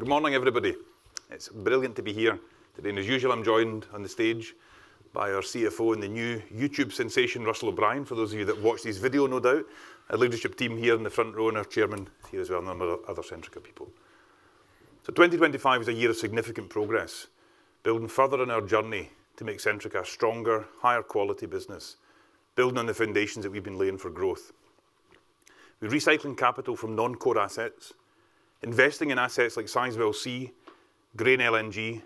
Good morning, everybody. It's brilliant to be here today, and as usual, I'm joined on the stage by our CFO and the new YouTube sensation, Russell O'Brien, for those of you that watch this video, no doubt. Our leadership team here in the front row, and our chairman here as well, and a number of other Centrica people. So 2025 was a year of significant progress, building further on our journey to make Centrica a stronger, higher-quality business, building on the foundations that we've been laying for growth. We're recycling capital from non-core assets, investing in assets like Sizewell C, Grain LNG,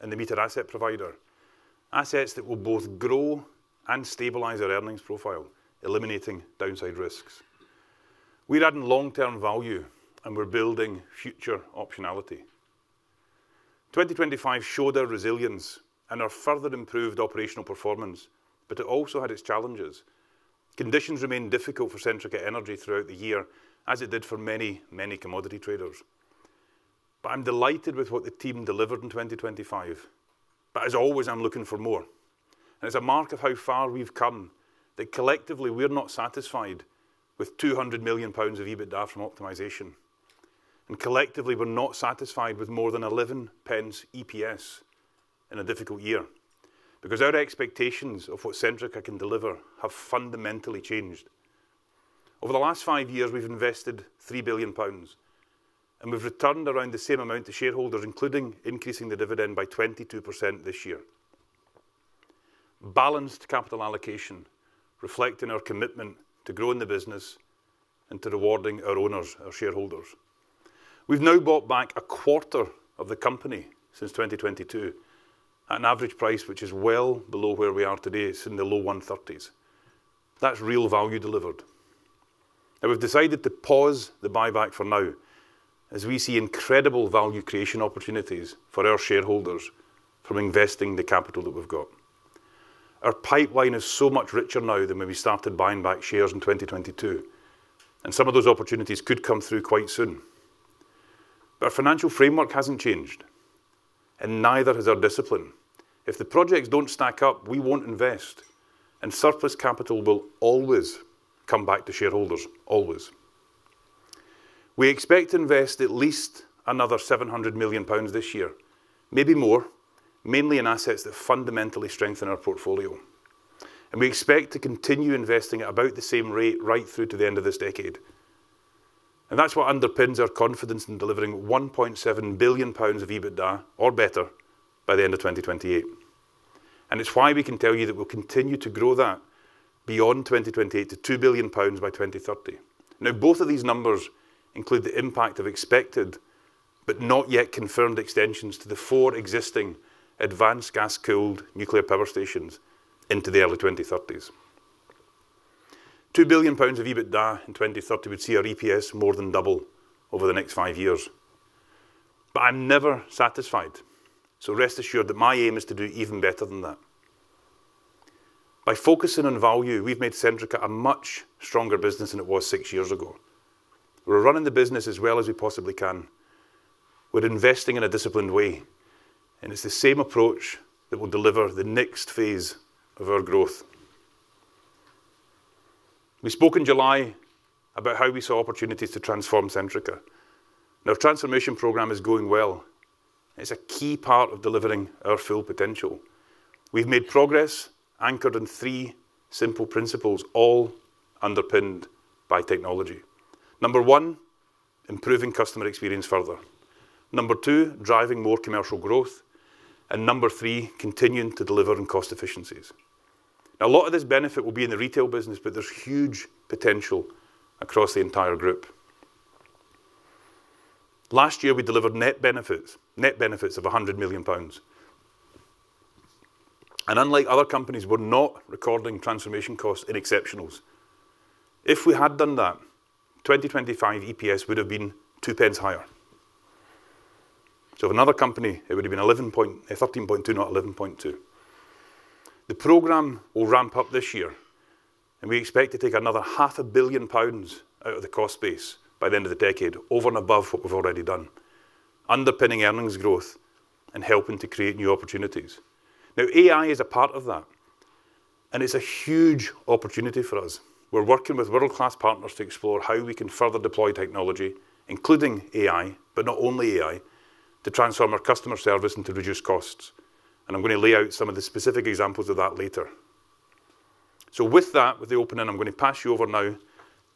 and the Meter Asset Provider, assets that will both grow and stabilize our earnings profile, eliminating downside risks. We're adding long-term value, and we're building future optionality. 2025 showed our resilience and our further improved operational performance, but it also had its challenges. Conditions remained difficult for Centrica Energy throughout the year, as it did for many, many commodity traders. I'm delighted with what the team delivered in 2025. As always, I'm looking for more, and it's a mark of how far we've come that collectively, we're not satisfied with 200 million pounds of EBITDA from optimization, and collectively, we're not satisfied with more than 11 pence EPS in a difficult year, because our expectations of what Centrica can deliver have fundamentally changed. Over the last five years, we've invested 3 billion pounds, and we've returned around the same amount to shareholders, including increasing the dividend by 22% this year. Balanced capital allocation, reflecting our commitment to growing the business and to rewarding our owners, our shareholders. We've now bought back a quarter of the company since 2022, at an average price which is well below where we are today. It's in the low GBP 130s. That's real value delivered, and we've decided to pause the buyback for now, as we see incredible value creation opportunities for our shareholders from investing the capital that we've got. Our pipeline is so much richer now than when we started buying back shares in 2022, and some of those opportunities could come through quite soon. But our financial framework hasn't changed, and neither has our discipline. If the projects don't stack up, we won't invest, and surplus capital will always come back to shareholders. Always. We expect to invest at least another 700 million pounds this year, maybe more, mainly in assets that fundamentally strengthen our portfolio, and we expect to continue investing at about the same rate right through to the end of this decade. And that's what underpins our confidence in delivering 1.7 billion pounds of EBITDA or better by the end of 2028. And it's why we can tell you that we'll continue to grow that beyond 2028 to 2 billion pounds by 2030. Now, both of these numbers include the impact of expected but not yet confirmed extensions to the four existing advanced gas-cooled nuclear power stations into the early 2030s. 2 billion pounds of EBITDA in 2030 would see our EPS more than double over the next 5 years. But I'm never satisfied, so rest assured that my aim is to do even better than that. By focusing on value, we've made Centrica a much stronger business than it was six years ago. We're running the business as well as we possibly can. We're investing in a disciplined way, and it's the same approach that will deliver the next phase of our growth. We spoke in July about how we saw opportunities to transform Centrica. Now, our transformation program is going well. It's a key part of delivering our full potential. We've made progress anchored in three simple principles, all underpinned by technology. Number one, improving customer experience further. Number two, driving more commercial growth. And number three, continuing to deliver on cost efficiencies. A lot of this benefit will be in the retail business, but there's huge potential across the entire group. Last year, we delivered net benefits, net benefits of 100 million pounds. Unlike other companies, we're not recording transformation costs in exceptionals. If we had done that, 2025 EPS would have been 2 pence higher. So if another company, it would have been 11.2... 13.2, not 11.2. The program will ramp up this year, and we expect to take another 500 million pounds out of the cost base by the end of the decade, over and above what we've already done, underpinning earnings growth and helping to create new opportunities. Now, AI is a part of that, and it's a huge opportunity for us. We're working with world-class partners to explore how we can further deploy technology, including AI, but not only AI, to transform our customer service and to reduce costs. I'm going to lay out some of the specific examples of that later. With the opening, I'm going to pass you over now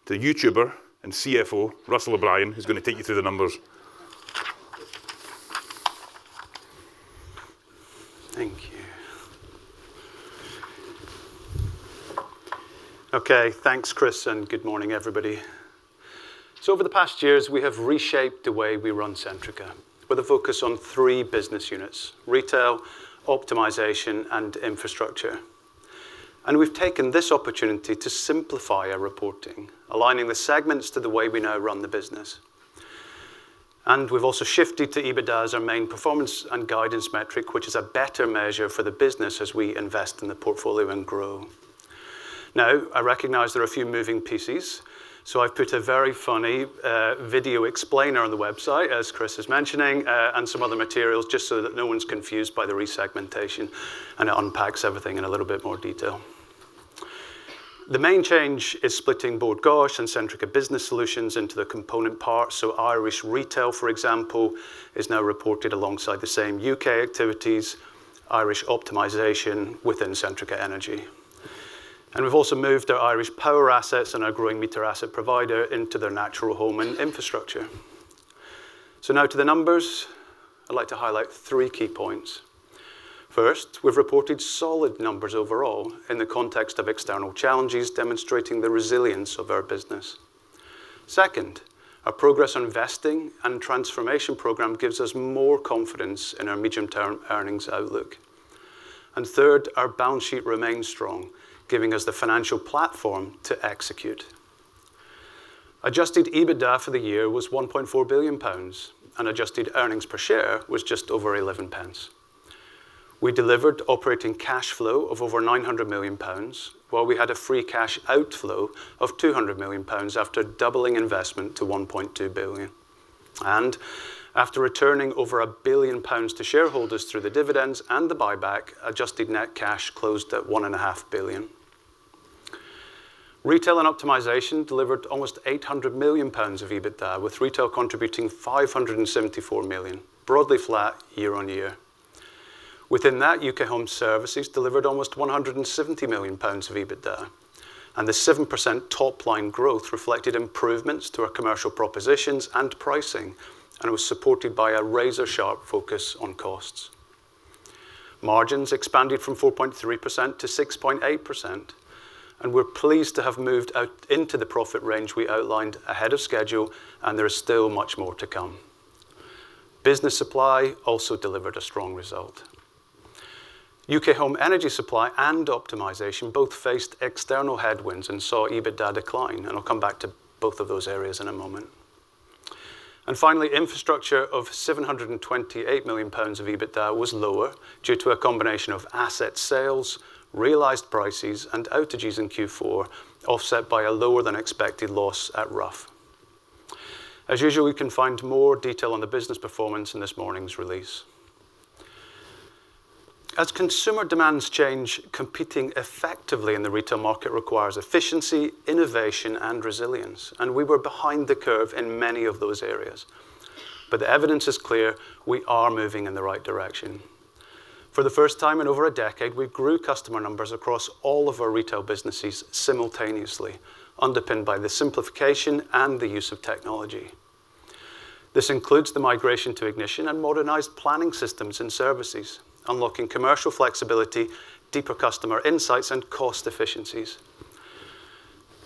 to our CFO, Russell O'Brien, who's going to take you through the numbers. Thank you. Okay, thanks, Chris, and good morning, everybody. So over the past years, we have reshaped the way we run Centrica, with a focus on three business units: retail, optimization, and infrastructure. And we've taken this opportunity to simplify our reporting, aligning the segments to the way we now run the business. And we've also shifted to EBITDA as our main performance and guidance metric, which is a better measure for the business as we invest in the portfolio and grow. Now, I recognize there are a few moving pieces, so I've put a very funny video explainer on the website, as Chris was mentioning, and some other materials, just so that no one's confused by the resegmentation, and it unpacks everything in a little bit more detail. The main change is splitting Bord Gáis and Centrica Business Solutions into their component parts. Irish Retail, for example, is now reported alongside the same U.K. activities, Irish Optimization within Centrica Energy. We've also moved our Irish Power assets and our growing meter asset provider into their natural home and infrastructure. Now to the numbers. I'd like to highlight three key points. First, we've reported solid numbers overall in the context of external challenges, demonstrating the resilience of our business. Second, our progress on investing and transformation program gives us more confidence in our medium-term earnings outlook. Third, our balance sheet remains strong, giving us the financial platform to execute. Adjusted EBITDA for the year was 1.4 billion pounds, and adjusted earnings per share was just over 11 pence. We delivered operating cash flow of over 900 million pounds, while we had a free cash outflow of 200 million pounds after doubling investment to 1.2 billion. After returning over 1 billion pounds to shareholders through the dividends and the buyback, adjusted net cash closed at 1.5 billion. Retail and Optimization delivered almost 800 million pounds of EBITDA, with retail contributing 574 million, broadly flat year-on-year. Within that, U.K. Home Services delivered almost 170 million pounds of EBITDA, and the 7% top-line growth reflected improvements to our commercial propositions and pricing, and it was supported by a razor-sharp focus on costs. Margins expanded from 4.3% to 6.8%, and we're pleased to have moved out into the profit range we outlined ahead of schedule, and there is still much more to come. Business Supply also delivered a strong result. U.K. Home Energy Supply and Optimization both faced external headwinds and saw EBITDA decline, and I'll come back to both of those areas in a moment. And finally, infrastructure of 728 million pounds of EBITDA was lower due to a combination of asset sales, realized prices, and outages in Q4, offset by a lower-than-expected loss at Rough. As usual, we can find more detail on the business performance in this morning's release. As consumer demands change, competing effectively in the retail market requires efficiency, innovation, and resilience, and we were behind the curve in many of those areas. But the evidence is clear: we are moving in the right direction. For the first time in over a decade, we grew customer numbers across all of our retail businesses simultaneously, underpinned by the simplification and the use of technology. This includes the migration to Ignition and modernized planning systems and services, unlocking commercial flexibility, deeper customer insights, and cost efficiencies.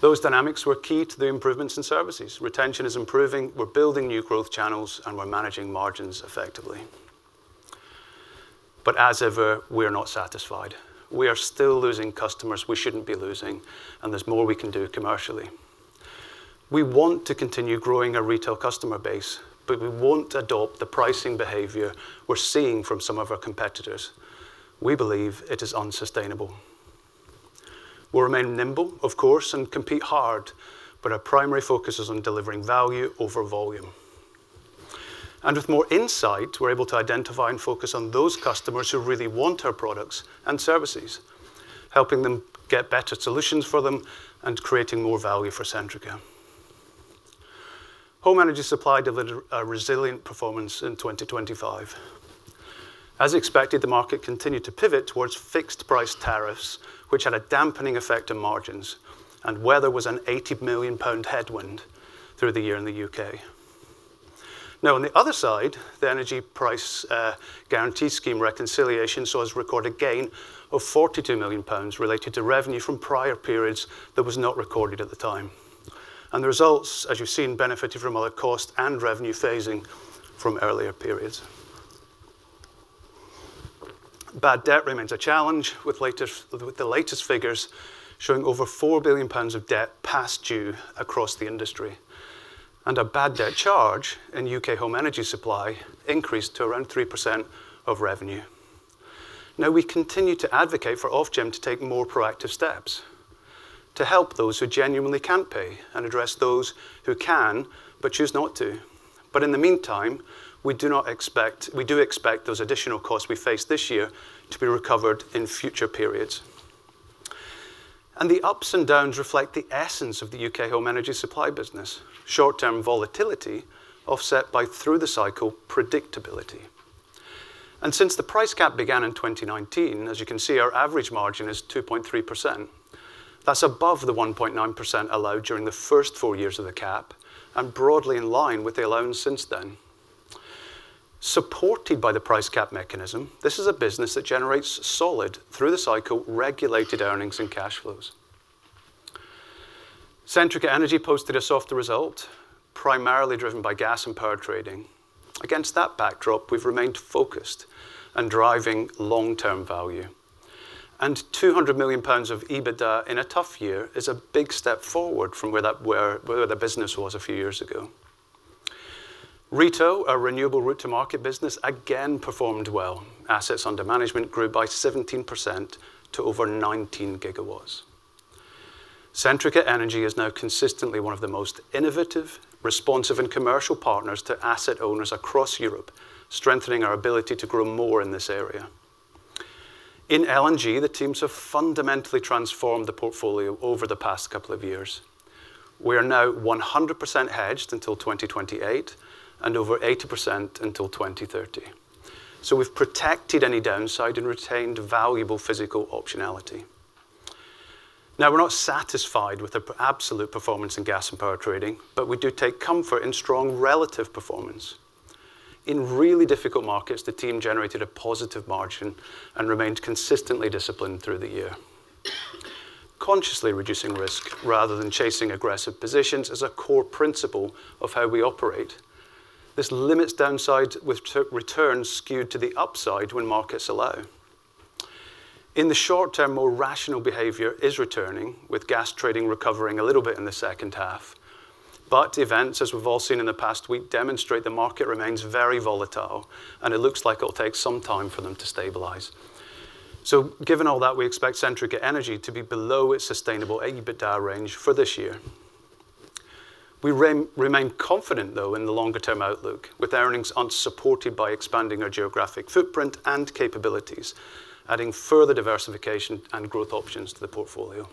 Those dynamics were key to the improvements in services. Retention is improving, we're building new growth channels, and we're managing margins effectively. But as ever, we are not satisfied. We are still losing customers we shouldn't be losing, and there's more we can do commercially. We want to continue growing our retail customer base, but we won't adopt the pricing behavior we're seeing from some of our competitors. We believe it is unsustainable. We'll remain nimble, of course, and compete hard, but our primary focus is on delivering value over volume. And with more insight, we're able to identify and focus on those customers who really want our products and services, helping them get better solutions for them and creating more value for Centrica. Home Energy Supply delivered a resilient performance in 2025. As expected, the market continued to pivot towards fixed-price tariffs, which had a dampening effect on margins, and weather was a 80 million pound headwind through the year in the U.K. Now, on the other side, the Energy Price Guarantee scheme reconciliation saw us record a gain of 42 million pounds related to revenue from prior periods that was not recorded at the time. And the results, as you've seen, benefited from other cost and revenue phasing from earlier periods. Bad debt remains a challenge, with the latest figures showing over 4 billion pounds of debt past due across the industry. A bad debt charge in U.K. home energy supply increased to around 3% of revenue. Now, we continue to advocate for Ofgem to take more proactive steps to help those who genuinely can't pay and address those who can but choose not to. But in the meantime, we do expect those additional costs we face this year to be recovered in future periods. The ups and downs reflect the essence of the U.K. home energy supply business: short-term volatility offset by through-the-cycle predictability. Since the price cap began in 2019, as you can see, our average margin is 2.3%. That's above the 1.9% allowed during the first four years of the cap and broadly in line with the allowance since then. Supported by the price cap mechanism, this is a business that generates solid, through-the-cycle, regulated earnings and cash flows. Centrica Energy posted a softer result, primarily driven by gas and power trading. Against that backdrop, we've remained focused on driving long-term value, and 200 million pounds of EBITDA in a tough year is a big step forward from where that business was a few years ago. RETO, our renewable route-to-market business, again performed well. Assets under management grew by 17% to over 19 gigawatts. Centrica Energy is now consistently one of the most innovative, responsive, and commercial partners to asset owners across Europe, strengthening our ability to grow more in this area. In LNG, the teams have fundamentally transformed the portfolio over the past couple of years. We are now 100% hedged until 2028, and over 80% until 2030. So we've protected any downside and retained valuable physical optionality. Now, we're not satisfied with the absolute performance in gas and power trading, but we do take comfort in strong relative performance. In really difficult markets, the team generated a positive margin and remained consistently disciplined through the year. Consciously reducing risk rather than chasing aggressive positions is a core principle of how we operate. This limits downside, with returns skewed to the upside when markets allow. In the short term, more rational behavior is returning, with gas trading recovering a little bit in the second half. But events, as we've all seen in the past week, demonstrate the market remains very volatile, and it looks like it'll take some time for them to stabilize. So given all that, we expect Centrica Energy to be below its sustainable EBITDA range for this year. We remain confident, though, in the longer-term outlook, with earnings unsupported by expanding our geographic footprint and capabilities, adding further diversification and growth options to the portfolio.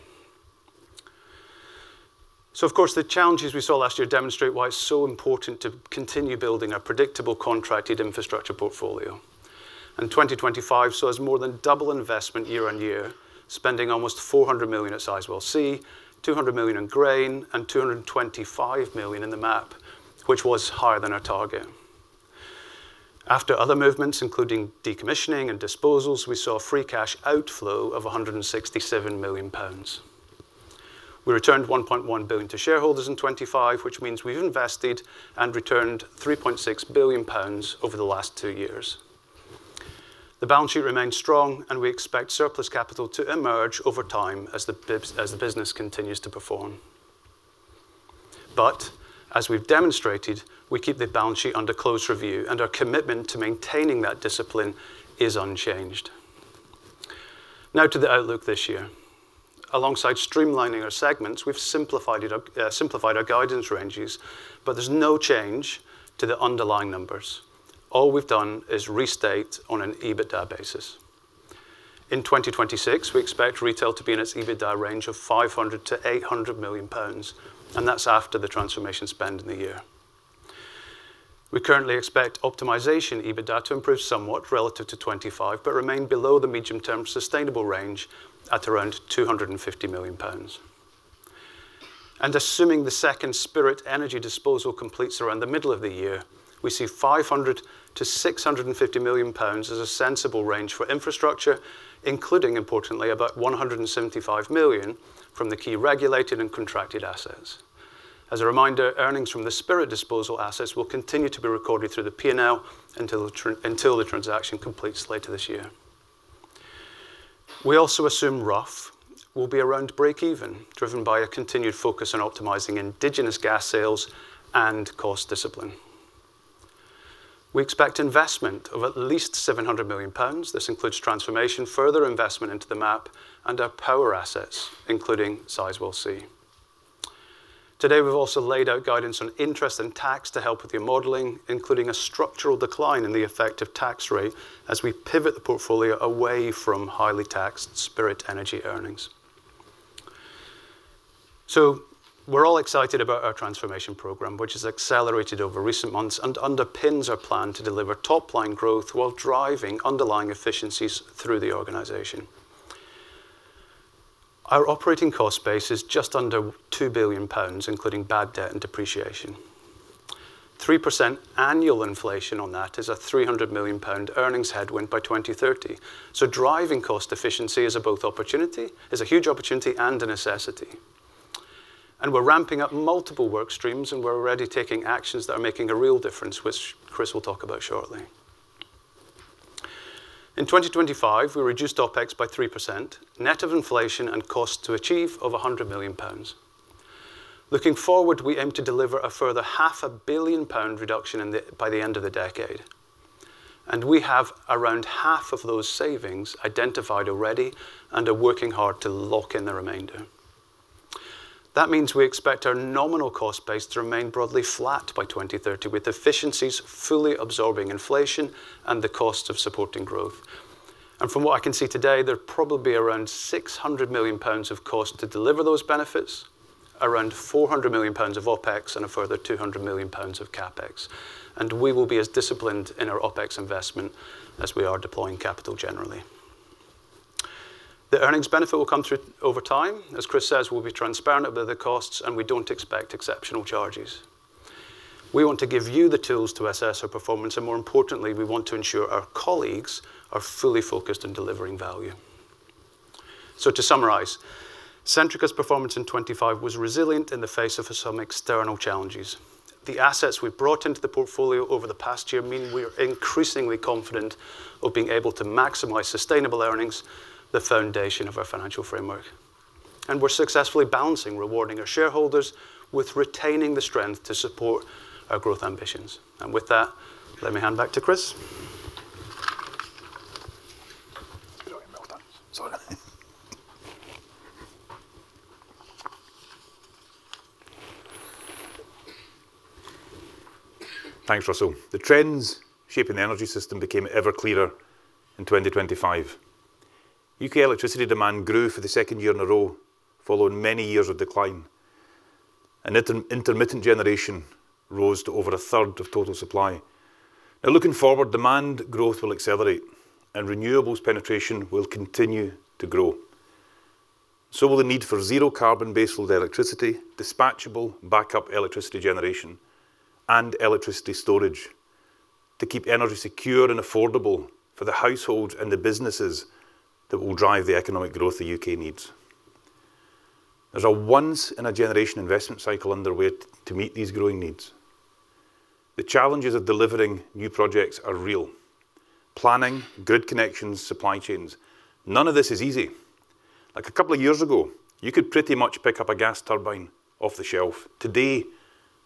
So of course, the challenges we saw last year demonstrate why it's so important to continue building our predictable contracted infrastructure portfolio. In 2025 saw us more than double investment year-over-year, spending almost 400 million at Sizewell C, 200 million in Grain and 225 million in the MAP, which was higher than our target. After other movements, including decommissioning and disposals, we saw a free cash outflow of 167 million pounds. We returned 1.1 billion to shareholders in 2025, which means we've invested and returned 3.6 billion pounds over the last two years. The balance sheet remains strong, and we expect surplus capital to emerge over time as the business continues to perform. But as we've demonstrated, we keep the balance sheet under close review, and our commitment to maintaining that discipline is unchanged. Now to the outlook this year. Alongside streamlining our segments, we've simplified it, simplified our guidance ranges, but there's no change to the underlying numbers. All we've done is restate on an EBITDA basis. In 2026, we expect retail to be in its EBITDA range of 500 million-800 million pounds, and that's after the transformation spend in the year. We currently expect optimization EBITDA to improve somewhat relative to 2025, but remain below the medium-term sustainable range at around 250 million pounds. Assuming the second Spirit Energy disposal completes around the middle of the year, we see 500 million-650 million pounds as a sensible range for infrastructure, including, importantly, about 175 million from the key regulated and contracted assets. As a reminder, earnings from the Spirit disposal assets will continue to be recorded through the P&L until the transaction completes later this year. We also assume Rough will be around breakeven, driven by a continued focus on optimizing indigenous gas sales and cost discipline. We expect investment of at least 700 million pounds. This includes transformation, further investment into the MAP and our power assets, including Sizewell C. Today, we've also laid out guidance on interest and tax to help with your modeling, including a structural decline in the effective tax rate as we pivot the portfolio away from highly taxed Spirit Energy earnings. So we're all excited about our transformation program, which has accelerated over recent months and underpins our plan to deliver top-line growth while driving underlying efficiencies through the organization. Our operating cost base is just under 2 billion pounds, including bad debt and depreciation. 3% annual inflation on that is a 300 million pound earnings headwind by 2030. So driving cost efficiency is a both opportunity, is a huge opportunity and a necessity. And we're ramping up multiple work streams, and we're already taking actions that are making a real difference, which Chris will talk about shortly. In 2025, we reduced OpEx by 3%, net of inflation and cost to achieve over 100 million pounds. Looking forward, we aim to deliver a further 500 million pound reduction in the, by the end of the decade, and we have around half of those savings identified already and are working hard to lock in the remainder. That means we expect our nominal cost base to remain broadly flat by 2030, with efficiencies fully absorbing inflation and the cost of supporting growth. And from what I can see today, there are probably around 600 million pounds of cost to deliver those benefits, around 400 million pounds of OpEx, and a further 200 million pounds of CapEx. We will be as disciplined in our OpEx investment as we are deploying capital generally. The earnings benefit will come through over time. As Chris says, we'll be transparent about the costs, and we don't expect exceptional charges. We want to give you the tools to assess our performance, and more importantly, we want to ensure our colleagues are fully focused on delivering value. So to summarize, Centrica's performance in 2025 was resilient in the face of some external challenges. The assets we brought into the portfolio over the past year mean we are increasingly confident of being able to maximize sustainable earnings, the foundation of our financial framework. We're successfully balancing rewarding our shareholders with retaining the strength to support our growth ambitions. With that, let me hand back to Chris. Thanks, Russell. The trends shaping the energy system became ever clearer in 2025. U.K. electricity demand grew for the second year in a row, following many years of decline, and intermittent generation rose to over a third of total supply. Now, looking forward, demand growth will accelerate and renewables penetration will continue to grow. So will the need for zero-carbon baseload electricity, dispatchable backup electricity generation, and electricity storage to keep energy secure and affordable for the households and the businesses that will drive the economic growth the U.K. needs. There's a once-in-a-generation investment cycle underway to meet these growing needs. The challenges of delivering new projects are real. Planning, good connections, supply chains, none of this is easy. Like, a couple of years ago, you could pretty much pick up a gas turbine off the shelf. Today,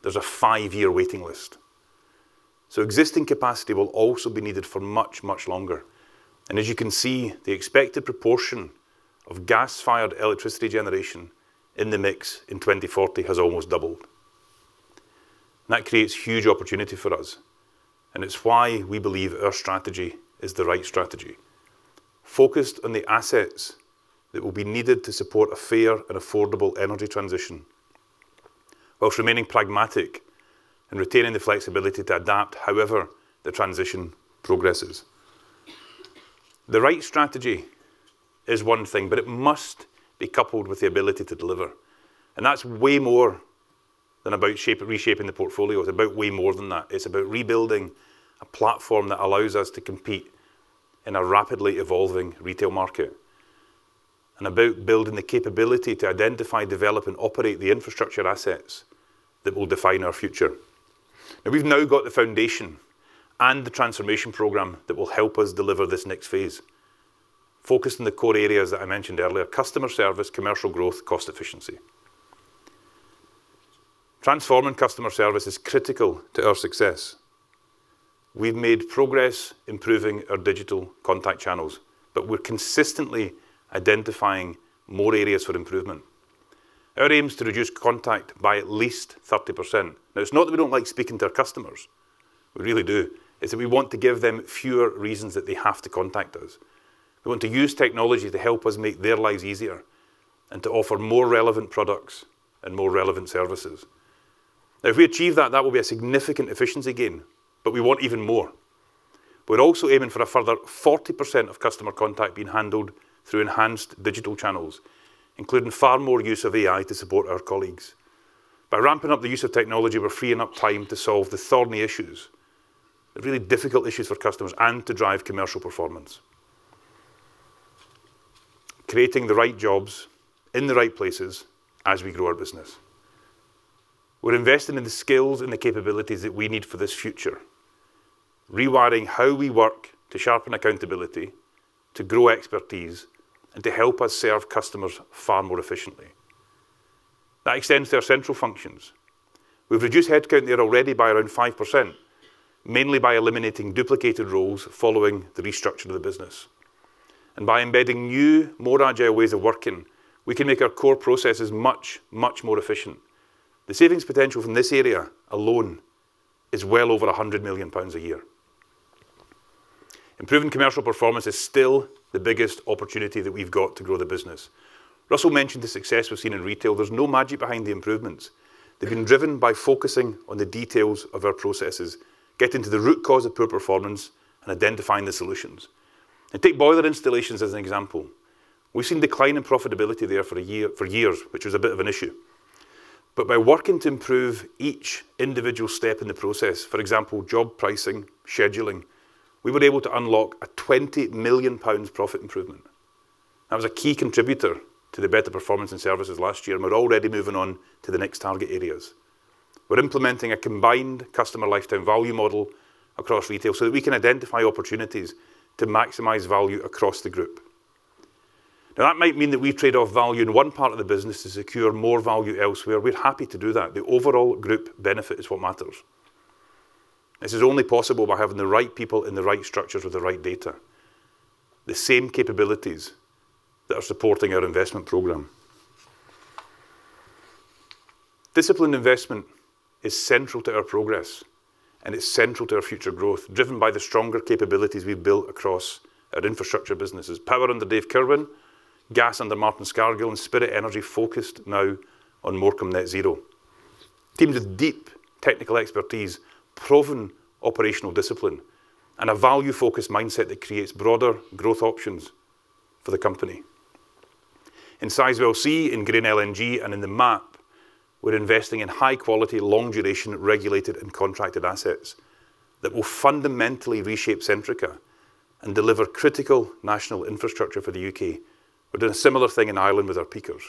there's a 5-year waiting list. So existing capacity will also be needed for much, much longer, and as you can see, the expected proportion of gas-fired electricity generation in the mix in 2040 has almost doubled. That creates huge opportunity for us, and it's why we believe our strategy is the right strategy, focused on the assets that will be needed to support a fair and affordable energy transition, while remaining pragmatic and retaining the flexibility to adapt however the transition progresses. The right strategy is one thing, but it must be coupled with the ability to deliver, and that's way more than about reshaping the portfolio. It's about way more than that. It's about rebuilding a platform that allows us to compete in a rapidly evolving retail market and about building the capability to identify, develop, and operate the infrastructure assets that will define our future. Now, we've now got the foundation and the transformation program that will help us deliver this next phase, focused on the core areas that I mentioned earlier: customer service, commercial growth, cost efficiency. Transforming customer service is critical to our success. We've made progress improving our digital contact channels, but we're consistently identifying more areas for improvement. Our aim is to reduce contact by at least 30%. Now, it's not that we don't like speaking to our customers. We really do. It's that we want to give them fewer reasons that they have to contact us. We want to use technology to help us make their lives easier and to offer more relevant products and more relevant services. If we achieve that, that will be a significant efficiency gain, but we want even more. We're also aiming for a further 40% of customer contact being handled through enhanced digital channels, including far more use of AI to support our colleagues. By ramping up the use of technology, we're freeing up time to solve the thorny issues, the really difficult issues for customers, and to drive commercial performance, creating the right jobs in the right places as we grow our business. We're investing in the skills and the capabilities that we need for this future, rewiring how we work to sharpen accountability, to grow expertise, and to help us serve customers far more efficiently. That extends to our central functions. We've reduced headcount there already by around 5%, mainly by eliminating duplicated roles following the restructure of the business. By embedding new, more agile ways of working, we can make our core processes much, much more efficient. The savings potential from this area alone is well over 100 million pounds a year. Improving commercial performance is still the biggest opportunity that we've got to grow the business. Russell mentioned the success we've seen in retail. There's no magic behind the improvements. They've been driven by focusing on the details of our processes, getting to the root cause of poor performance, and identifying the solutions. Take boiler installations as an example. We've seen decline in profitability there for a year, for years, which was a bit of an issue. But by working to improve each individual step in the process, for example, job pricing, scheduling, we were able to unlock a 20 million pounds profit improvement. That was a key contributor to the better performance and services last year, and we're already moving on to the next target areas. We're implementing a combined customer lifetime value model across retail so that we can identify opportunities to maximize value across the group. Now, that might mean that we trade off value in one part of the business to secure more value elsewhere. We're happy to do that. The overall group benefit is what matters. This is only possible by having the right people in the right structures with the right data, the same capabilities that are supporting our investment program. Disciplined investment is central to our progress, and it's central to our future growth, driven by the stronger capabilities we've built across our infrastructure businesses, Power under Dave Kirwan, Gas under Martin Scargill, and Spirit Energy focused now on Morecambe Net Zero. Teams with deep technical expertise, proven operational discipline, and a value-focused mindset that creates broader growth options for the company. In Sizewell C, in Grain LNG, and in the MAP, we're investing in high-quality, long-duration, regulated, and contracted assets that will fundamentally reshape Centrica and deliver critical national infrastructure for the U.K. We're doing a similar thing in Ireland with our peakers.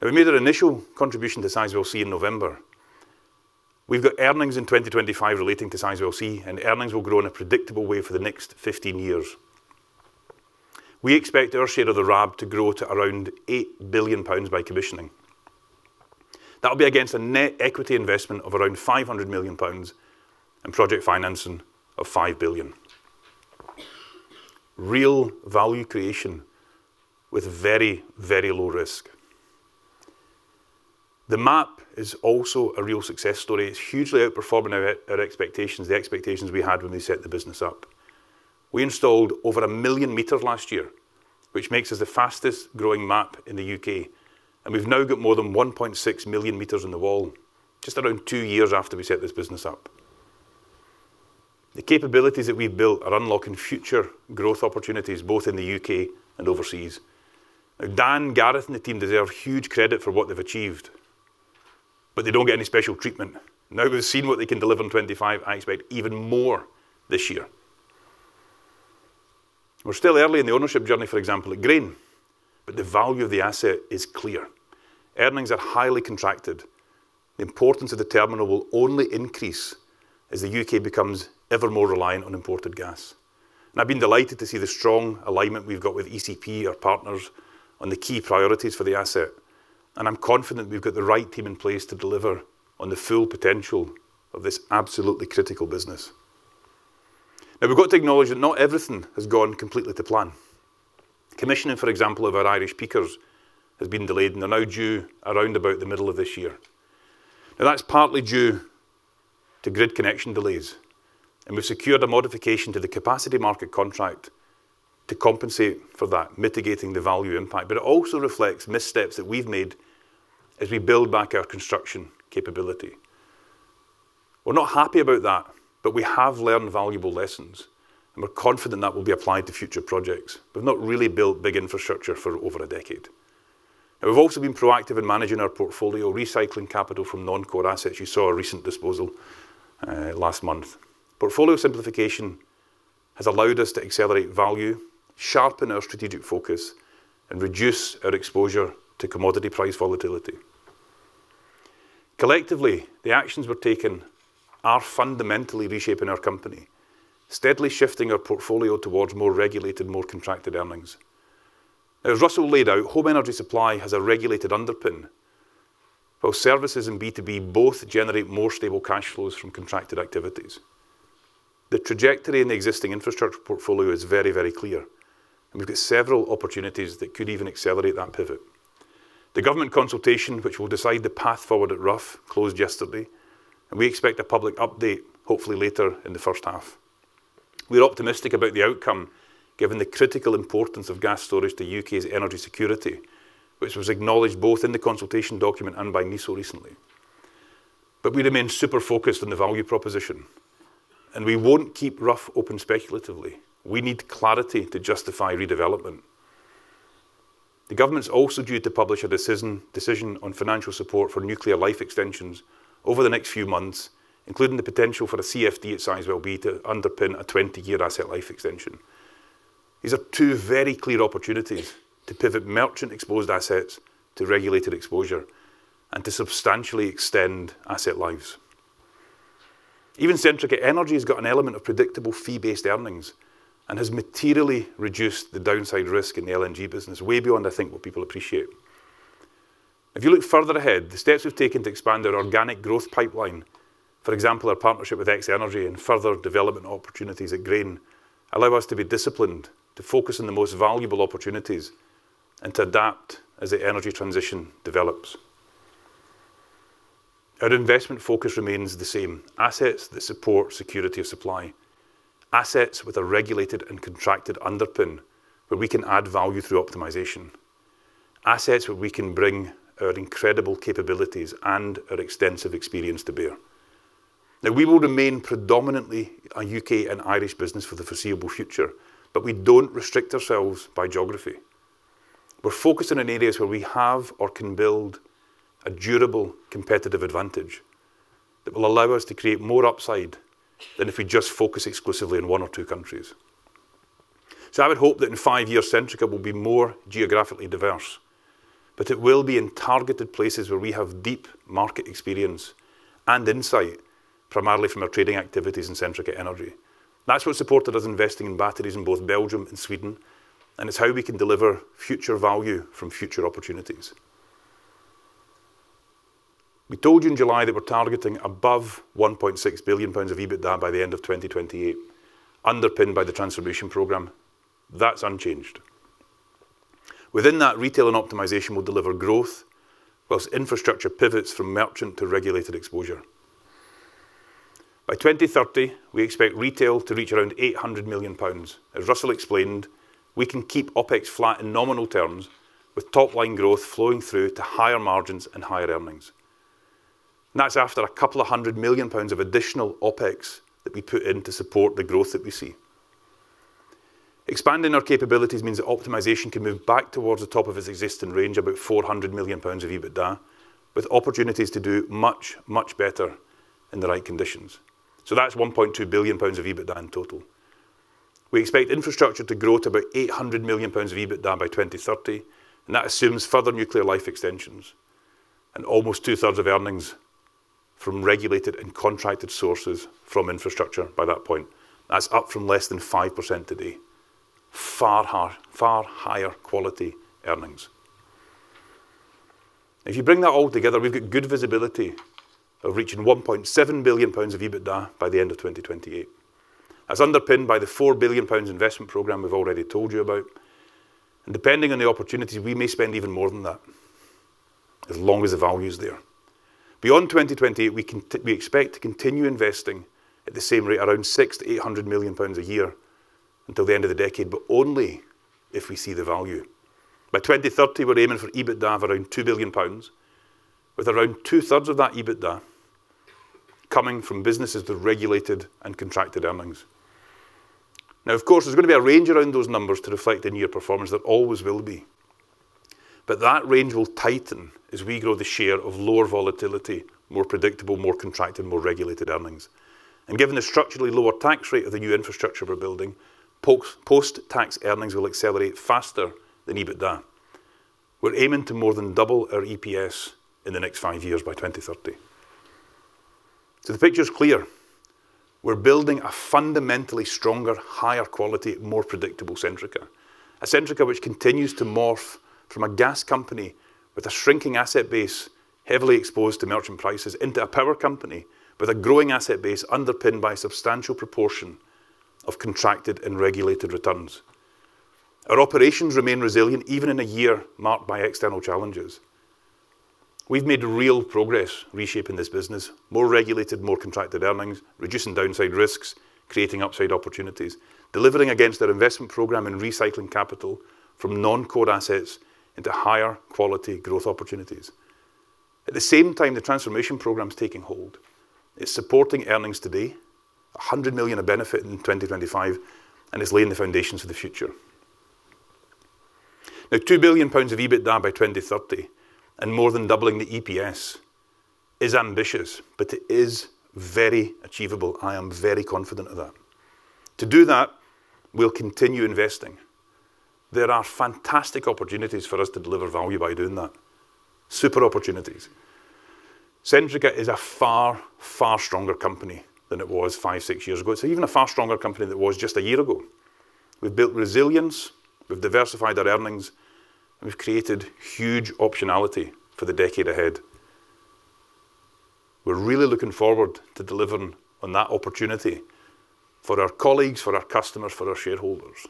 We made our initial contribution to Sizewell C in November. We've got earnings in 2025 relating to Sizewell C, and earnings will grow in a predictable way for the next 15 years. We expect our share of the RAB to grow to around 8 billion pounds by commissioning. That'll be against a net equity investment of around 500 million pounds and project financing of 5 billion. Real value creation with very, very low risk. The MAP is also a real success story. It's hugely outperforming our expectations, the expectations we had when we set the business up. We installed over a million meters last year, which makes us the fastest-growing MAP in the U.K., and we've now got more than 1.6 million meters on the wall, just around 2 years after we set this business up. The capabilities that we've built are unlocking future growth opportunities, both in the U.K. and overseas. Dan, Gareth, and the team deserve huge credit for what they've achieved, but they don't get any special treatment. Now, we've seen what they can deliver in 2025, I expect even more this year. We're still early in the ownership journey, for example, at Grain, but the value of the asset is clear. Earnings are highly contracted. The importance of the terminal will only increase as the U.K. becomes ever more reliant on imported gas. I've been delighted to see the strong alignment we've got with ECP, our partners, on the key priorities for the asset, and I'm confident we've got the right team in place to deliver on the full potential of this absolutely critical business. Now, we've got to acknowledge that not everything has gone completely to plan. Commissioning, for example, of our Irish peakers has been delayed, and they're now due around about the middle of this year. Now, that's partly due to grid connection delays, and we've secured a modification to the capacity market contract to compensate for that, mitigating the value impact, but it also reflects missteps that we've made as we build back our construction capability. We're not happy about that, but we have learned valuable lessons, and we're confident that will be applied to future projects. We've not really built big infrastructure for over a decade. We've also been proactive in managing our portfolio, recycling capital from non-core assets. You saw a recent disposal last month. Portfolio simplification has allowed us to accelerate value, sharpen our strategic focus, and reduce our exposure to commodity price volatility. Collectively, the actions we're taking are fundamentally reshaping our company, steadily shifting our portfolio towards more regulated, more contracted earnings. As Russell laid out, home energy supply has a regulated underpin, while services and B2B both generate more stable cash flows from contracted activities. The trajectory in the existing infrastructure portfolio is very, very clear, and we've got several opportunities that could even accelerate that pivot. The government consultation, which will decide the path forward at Rough, closed yesterday, and we expect a public update hopefully later in the first half. We're optimistic about the outcome, given the critical importance of gas storage to the U.K.'s energy security, which was acknowledged both in the consultation document and by me so recently. But we remain super focused on the value proposition, and we won't keep Rough open speculatively. We need clarity to justify redevelopment. The government's also due to publish a decision on financial support for nuclear life extensions over the next few months, including the potential for a CFD at Sizewell B to underpin a 20-year asset life extension. These are two very clear opportunities to pivot merchant-exposed assets to regulated exposure and to substantially extend asset lives. Even Centrica Energy has got an element of predictable fee-based earnings and has materially reduced the downside risk in the LNG business, way beyond, I think, what people appreciate. If you look further ahead, the steps we've taken to expand our organic growth pipeline, for example, our partnership with X-energy and further development opportunities at Grain, allow us to be disciplined, to focus on the most valuable opportunities, and to adapt as the energy transition develops. Our investment focus remains the same: assets that support security of supply, assets with a regulated and contracted underpin where we can add value through optimization, assets where we can bring our incredible capabilities and our extensive experience to bear. Now, we will remain predominantly a U.K. and Irish business for the foreseeable future, but we don't restrict ourselves by geography. We're focusing on areas where we have or can build a durable, competitive advantage that will allow us to create more upside than if we just focus exclusively in one or two countries. So I would hope that in 5 years, Centrica will be more geographically diverse, but it will be in targeted places where we have deep market experience and insight, primarily from our trading activities in Centrica Energy. That's what supported us investing in batteries in both Belgium and Sweden, and it's how we can deliver future value from future opportunities. We told you in July that we're targeting above 1.6 billion pounds of EBITDA by the end of 2028, underpinned by the transformation program. That's unchanged. Within that, retail and optimization will deliver growth, whilst infrastructure pivots from merchant to regulated exposure. By 2030, we expect retail to reach around 800 million pounds. As Russell explained, we can keep OpEx flat in nominal terms, with top-line growth flowing through to higher margins and higher earnings. That's after 200 million pounds of additional OpEx that we put in to support the growth that we see. Expanding our capabilities means that optimization can move back towards the top of its existing range, about 400 million pounds of EBITDA, with opportunities to do much, much better in the right conditions. So that's 1.2 billion pounds of EBITDA in total. We expect infrastructure to grow to about 800 million pounds of EBITDA by 2030, and that assumes further nuclear life extensions and almost two-thirds of earnings from regulated and contracted sources from infrastructure by that point. That's up from less than 5% today. Far higher quality earnings... If you bring that all together, we've got good visibility of reaching 1.7 billion pounds of EBITDA by the end of 2028. As underpinned by the 4 billion pounds investment program we've already told you about, and depending on the opportunity, we may spend even more than that, as long as the value is there. Beyond 2028, we expect to continue investing at the same rate, around 600 million-800 million pounds a year until the end of the decade, but only if we see the value. By 2030, we're aiming for EBITDA of around 2 billion pounds, with around two-thirds of that EBITDA coming from businesses with regulated and contracted earnings. Now, of course, there's gonna be a range around those numbers to reflect the near performance. There always will be. But that range will tighten as we grow the share of lower volatility, more predictable, more contracted, more regulated earnings. And given the structurally lower tax rate of the new infrastructure we're building, post-tax earnings will accelerate faster than EBITDA. We're aiming to more than double our EPS in the next five years by 2030. So the picture's clear. We're building a fundamentally stronger, higher quality, more predictable Centrica. A Centrica which continues to morph from a gas company with a shrinking asset base, heavily exposed to merchant prices, into a power company with a growing asset base underpinned by a substantial proportion of contracted and regulated returns. Our operations remain resilient, even in a year marked by external challenges. We've made real progress reshaping this business. More regulated, more contracted earnings, reducing downside risks, creating upside opportunities, delivering against our investment program and recycling capital from non-core assets into higher quality growth opportunities. At the same time, the transformation program is taking hold. It's supporting earnings today, 100 million of benefit in 2025, and it's laying the foundations for the future. Now, 2 billion pounds of EBITDA by 2030 and more than doubling the EPS is ambitious, but it is very achievable. I am very confident of that. To do that, we'll continue investing. There are fantastic opportunities for us to deliver value by doing that. Super opportunities. Centrica is a far, far stronger company than it was five, six years ago. It's even a far stronger company than it was just a year ago. We've built resilience, we've diversified our earnings, and we've created huge optionality for the decade ahead. We're really looking forward to delivering on that opportunity for our colleagues, for our customers, for our shareholders,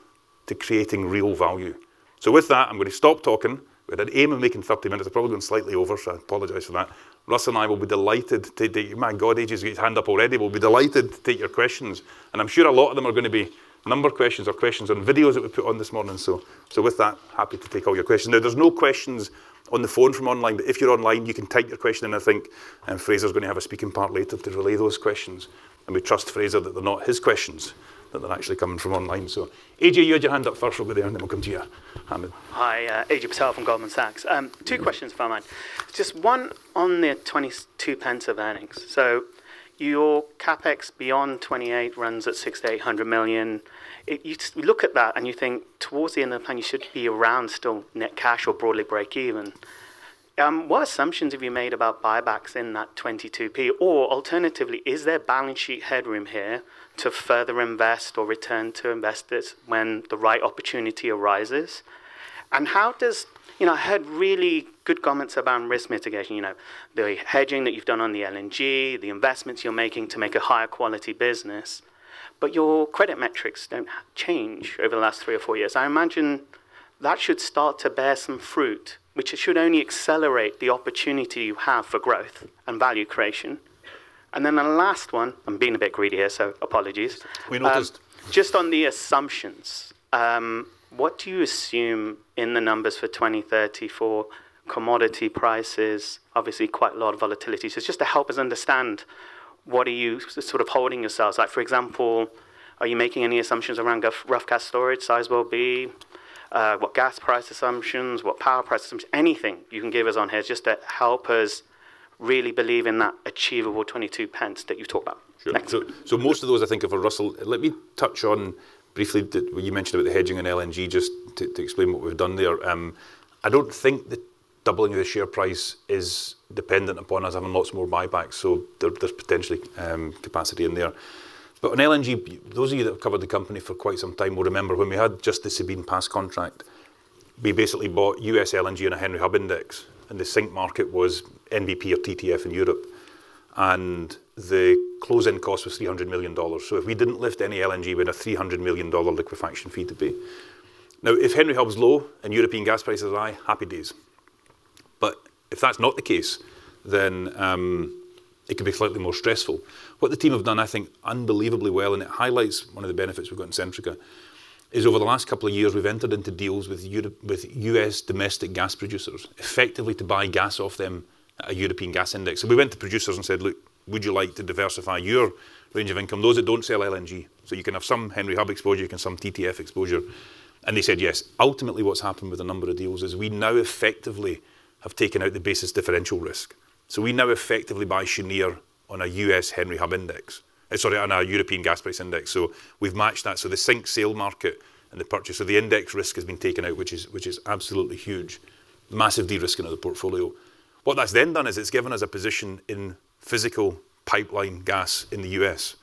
to creating real value. So with that, I'm gonna stop talking. We had an aim of making 30 minutes. I've probably gone slightly over, so I apologize for that. Russell and I will be delighted to take... My God, Ajay got his hand up already. We'll be delighted to take your questions, and I'm sure a lot of them are gonna be number questions or questions on videos that we put on this morning. So, so with that, happy to take all your questions. Now, there's no questions on the phone from online, but if you're online, you can type your question in, I think, and Fraser is gonna have a speaking part later to relay those questions. And we trust, Fraser, that they're not his questions, that they're actually coming from online. So, Ajay, you had your hand up first. We'll go there, and then we'll come to you, Ahmed. Hi, Ajay Patel from Goldman Sachs. Two questions if I might. Just one on the 0.22 of earnings. So your CapEx beyond 2028 runs at 600 million-800 million. You look at that and you think towards the end of the plan, you should be around still net cash or broadly break even. What assumptions have you made about buybacks in that 0.22? Or alternatively, is there balance sheet headroom here to further invest or return to investors when the right opportunity arises? And how does, you know, I heard really good comments around risk mitigation. You know, the hedging that you've done on the LNG, the investments you're making to make a higher quality business, but your credit metrics don't change over the last three or four years. I imagine that should start to bear some fruit, which it should only accelerate the opportunity you have for growth and value creation. And then the last one, I'm being a bit greedy here, so apologies. We noticed. Just on the assumptions, what do you assume in the numbers for 2030 for commodity prices? Obviously, quite a lot of volatility. So just to help us understand, what are you sort of holding yourselves? Like, for example, are you making any assumptions around Rough gas storage, Sizewell B, what gas price assumptions, what power price assumptions? Anything you can give us on here just to help us really believe in that achievable 0.22 that you talked about. Thanks. So, most of those I think are for Russell. Let me touch on briefly that you mentioned about the hedging on LNG, just to explain what we've done there. I don't think the doubling of the share price is dependent upon us having lots more buybacks, so there, there's potentially capacity in there. But on LNG, those of you that have covered the company for quite some time will remember when we had just the Sabine Pass contract, we basically bought U.S. LNG on a Henry Hub index, and the sink market was NBP or TTF in Europe, and the closing cost was $300 million. So if we didn't lift any LNG, we had a $300 million liquefaction fee to pay. Now, if Henry Hub is low and European gas prices are high, happy days. But if that's not the case, then, it can be slightly more stressful. What the team have done, I think, unbelievably well, and it highlights one of the benefits we've got in Centrica, is over the last couple of years, we've entered into deals with US domestic gas producers, effectively to buy gas off them at a European gas index. So we went to producers and said, "Look, would you like to diversify your range of income, those that don't sell LNG? So you can have some Henry Hub exposure, you can have some TTF exposure." And they said, "Yes." Ultimately, what's happened with a number of deals is we now effectively have taken out the basis differential risk. So we now effectively buy Cheniere on a U.S. Henry Hub index... Sorry, on a European gas price index. So we've matched that. So the sync sale market and the purchase. So the index risk has been taken out, which is, which is absolutely huge. Massive de-risking of the portfolio. What that's then done is it's given us a position in physical pipeline gas in the U.S.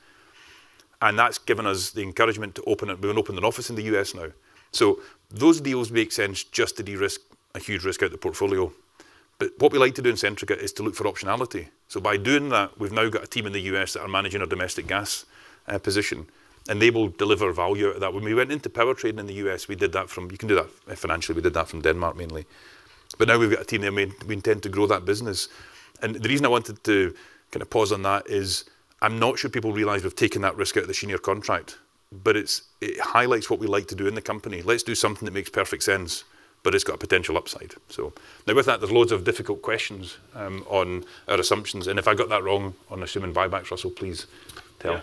And that's given us the encouragement to open up. We're going to open an office in the U.S. now. So those deals make sense just to de-risk a huge risk out of the portfolio. But what we like to do in Centrica is to look for optionality. So by doing that, we've now got a team in the U.S. that are managing our domestic gas position, and they will deliver value out of that. When we went into power trading in the U.S., we did that. You can do that financially. We did that from Denmark mainly, but now we've got a team there, and we, we intend to grow that business. And the reason I wanted to kind of pause on that is I'm not sure people realize we've taken that risk out of the Cheniere contract, but it's, it highlights what we like to do in the company. Let's do something that makes perfect sense, but it's got a potential upside. So now with that, there's loads of difficult questions on our assumptions, and if I got that wrong on assuming buybacks, Russell, please tell. Yeah.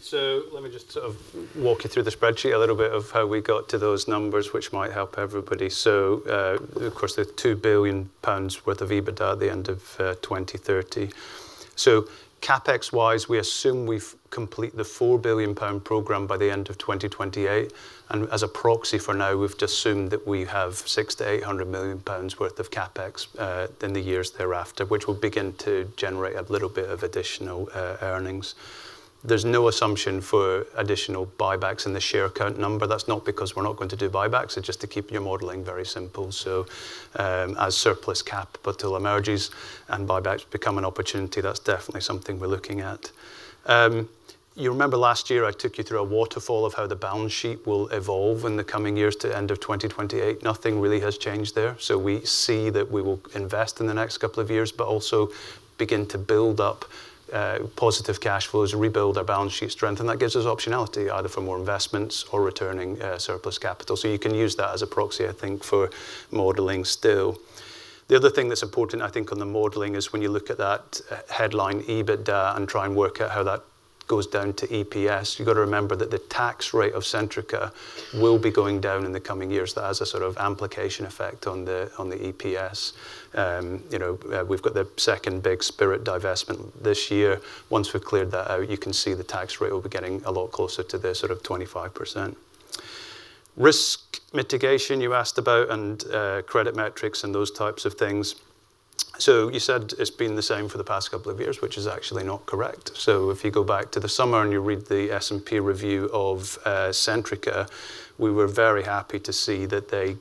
So let me just sort of walk you through the spreadsheet a little bit of how we got to those numbers, which might help everybody. So, of course, the 2 billion pounds worth of EBITDA at the end of 2030. So CapEx-wise, we assume we've complete the 4 billion pound program by the end of 2028, and as a proxy for now, we've just assumed that we have 600-800 million pounds worth of CapEx in the years thereafter, which will begin to generate a little bit of additional earnings. There's no assumption for additional buybacks in the share count number. That's not because we're not going to do buybacks, it's just to keep your modeling very simple. So, as surplus capital emerges and buybacks become an opportunity, that's definitely something we're looking at. You remember last year, I took you through a waterfall of how the balance sheet will evolve in the coming years to end of 2028. Nothing really has changed there. So we see that we will invest in the next couple of years, but also begin to build up positive cash flows and rebuild our balance sheet strength, and that gives us optionality, either for more investments or returning surplus capital. So you can use that as a proxy, I think, for modeling still. The other thing that's important, I think, on the modeling is when you look at that headline, EBITDA, and try and work out how that goes down to EPS, you got to remember that the tax rate of Centrica will be going down in the coming years. That has a sort of amplification effect on the EPS. You know, we've got the second big Spirit divestment this year. Once we've cleared that out, you can see the tax rate will be getting a lot closer to the sort of 25%. Risk mitigation, you asked about, and credit metrics and those types of things. So you said it's been the same for the past couple of years, which is actually not correct. So if you go back to the summer and you read the S&P review of Centrica, we were very happy to see that they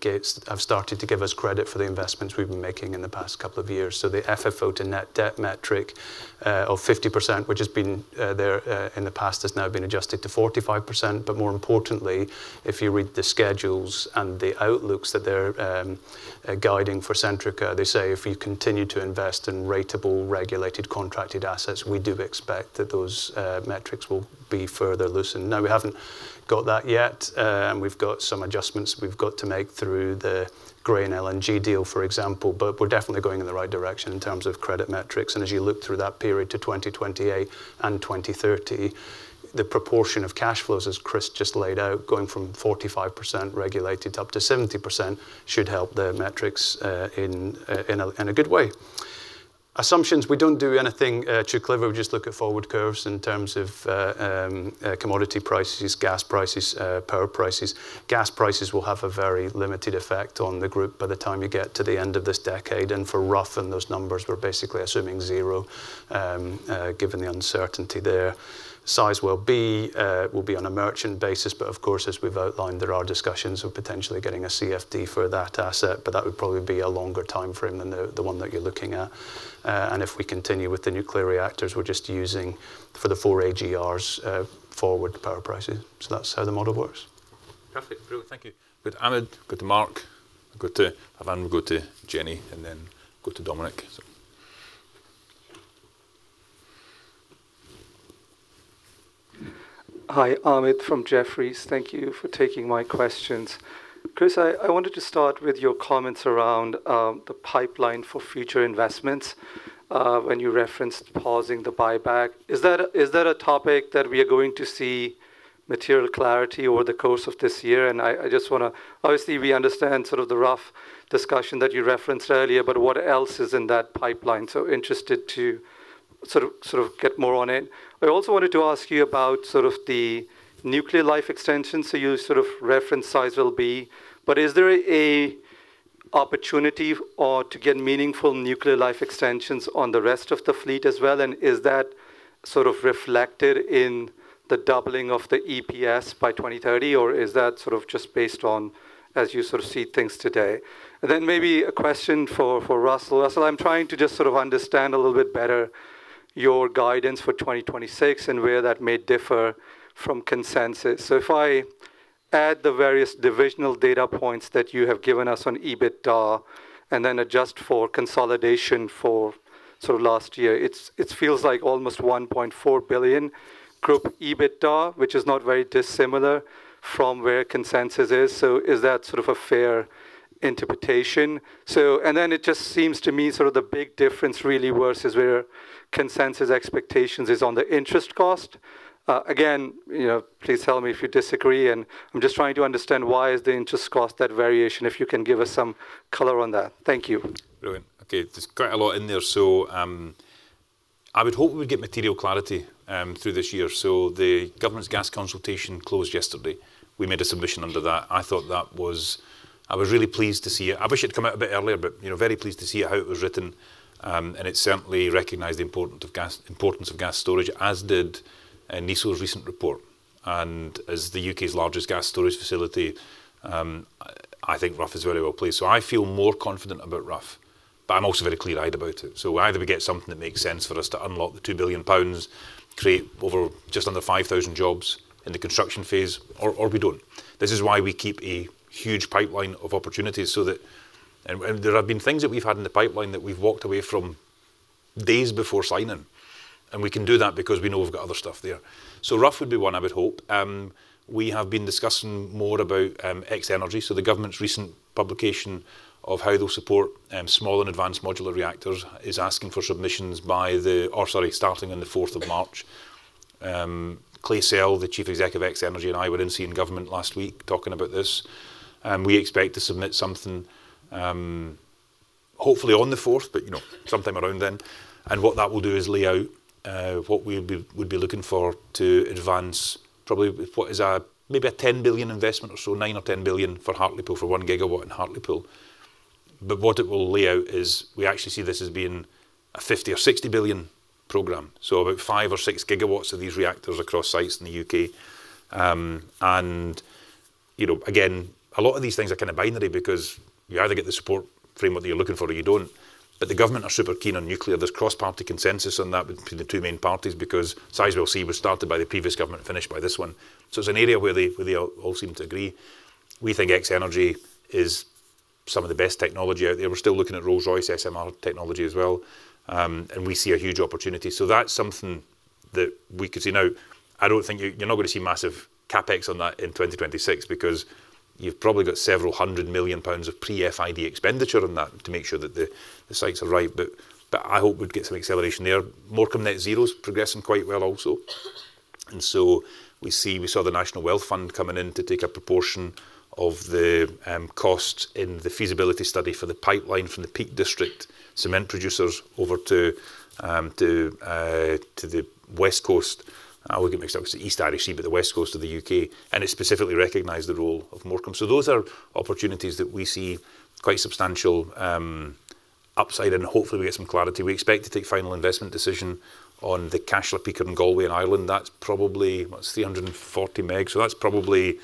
have started to give us credit for the investments we've been making in the past couple of years. So the FFO to net debt metric of 50%, which has been there in the past, has now been adjusted to 45%. But more importantly, if you read the schedules and the outlooks that they're guiding for Centrica, they say, "If you continue to invest in ratable, regulated, contracted assets, we do expect that those metrics will be further loosened." Now, we haven't got that yet, and we've got some adjustments we've got to make through the Grain LNG deal, for example, but we're definitely going in the right direction in terms of credit metrics. And as you look through that period to 2028 and 2030, the proportion of cash flows, as Chris just laid out, going from 45% regulated up to 70% should help the metrics in a good way. Assumptions, we don't do anything too clever. We just look at forward curves in terms of commodity prices, gas prices, power prices. Gas prices will have a very limited effect on the group by the time you get to the end of this decade, and for Rough in those numbers, we're basically assuming zero, given the uncertainty there. Sizewell will be on a merchant basis, but of course, as we've outlined, there are discussions of potentially getting a CFD for that asset, but that would probably be a longer timeframe than the one that you're looking at. And if we continue with the nuclear reactors, we're just using for the four AGRs forward power prices. So that's how the model works. Perfect. Brilliant. Thank you. Go to Ahmed, go to Mark, go to Ivan, go to Jenny, and then go to Dominic. So... Hi, Ahmed from Jefferies. Thank you for taking my questions. Chris, I, I wanted to start with your comments around the pipeline for future investments, when you referenced pausing the buyback. Is that a, is that a topic that we are going to see material clarity over the course of this year? And I, I just wanna... Obviously, we understand sort of the Rough discussion that you referenced earlier, but what else is in that pipeline? So interested to sort of, sort of get more on it. I also wanted to ask you about sort of the nuclear life extension. So you sort of referenced Sizewell B, but is there a opportunity or to get meaningful nuclear life extensions on the rest of the fleet as well? And is that sort of reflected in the doubling of the EPS by 2030, or is that sort of just based on as you sort of see things today? Then maybe a question for Russell. Russell, I'm trying to just sort of understand a little bit better your guidance for 2026 and where that may differ from consensus. So if I add the various divisional data points that you have given us on EBITDA and then adjust for consolidation for sort of last year, it's, it feels like almost 1.4 billion group EBITDA, which is not very dissimilar from where consensus is. So is that sort of a fair interpretation? So, and then it just seems to me sort of the big difference really where is where consensus expectations is on the interest cost. Again, you know, please tell me if you disagree, and I'm just trying to understand why is the interest cost that variation, if you can give us some color on that. Thank you. Brilliant. Okay, there's quite a lot in there. So, I would hope we get material clarity, through this year. So the government's gas consultation closed yesterday. We made a submission under that. I thought that was... I was really pleased to see it. I wish it had come out a bit earlier, but, you know, very pleased to see how it was written. And it certainly recognized the importance of gas storage, as did, NESO's recent report.... and as the U.K.'s largest gas storage facility, I think Rough is very well placed. So I feel more confident about Rough, but I'm also very clear-eyed about it. So either we get something that makes sense for us to unlock the 2 billion pounds, create over just under 5,000 jobs in the construction phase, or, or we don't. This is why we keep a huge pipeline of opportunities so that and there have been things that we've had in the pipeline that we've walked away from days before signing, and we can do that because we know we've got other stuff there. So Rough would be one I would hope. We have been discussing more about X-energy. So the government's recent publication of how they'll support small and advanced modular reactors is asking for submissions by the... Oh, sorry, starting on the fourth of March. Clay Sell, the Chief Exec of X-energy, and I were in seeing government last week talking about this. We expect to submit something, hopefully on the fourth, but, you know, sometime around then. What that will do is lay out what we would be, we'd be looking for to advance probably what is maybe a 10 billion investment or so, 9 billion or 10 billion for Hartlepool, for 1 gigawatt in Hartlepool. But what it will lay out is we actually see this as being a 50 billion or 60 billion program, so about 5 or 6 gigawatts of these reactors across sites in the U.K. And you know, again, a lot of these things are kind of binary because you either get the support framework that you're looking for or you don't. But the government are super keen on nuclear. There's cross-party consensus on that between the two main parties, because Sizewell C was started by the previous government and finished by this one. So it's an area where they all seem to agree. We think X-energy is some of the best technology out there. We're still looking at Rolls-Royce SMR technology as well, and we see a huge opportunity. So that's something that we could see. Now, I don't think you... You're not gonna see massive CapEx on that in 2026, because you've probably got several hundred million GBP of pre-FID expenditure on that to make sure that the sites are right, but I hope we'd get some acceleration there. Morecambe Net Zero is progressing quite well also. So we see, we saw the National Wealth Fund coming in to take a proportion of the cost in the feasibility study for the pipeline from the Peak District cement producers over to the West Coast. We get mixed up, it's the East Irish Sea, but the West Coast of the U.K., and it specifically recognized the role of Morecambe. So those are opportunities that we see quite substantial upside, and hopefully we get some clarity. We expect to take final investment decision on the gas peaker in Galway, in Ireland. That's probably, what? 340 MW, so that's probably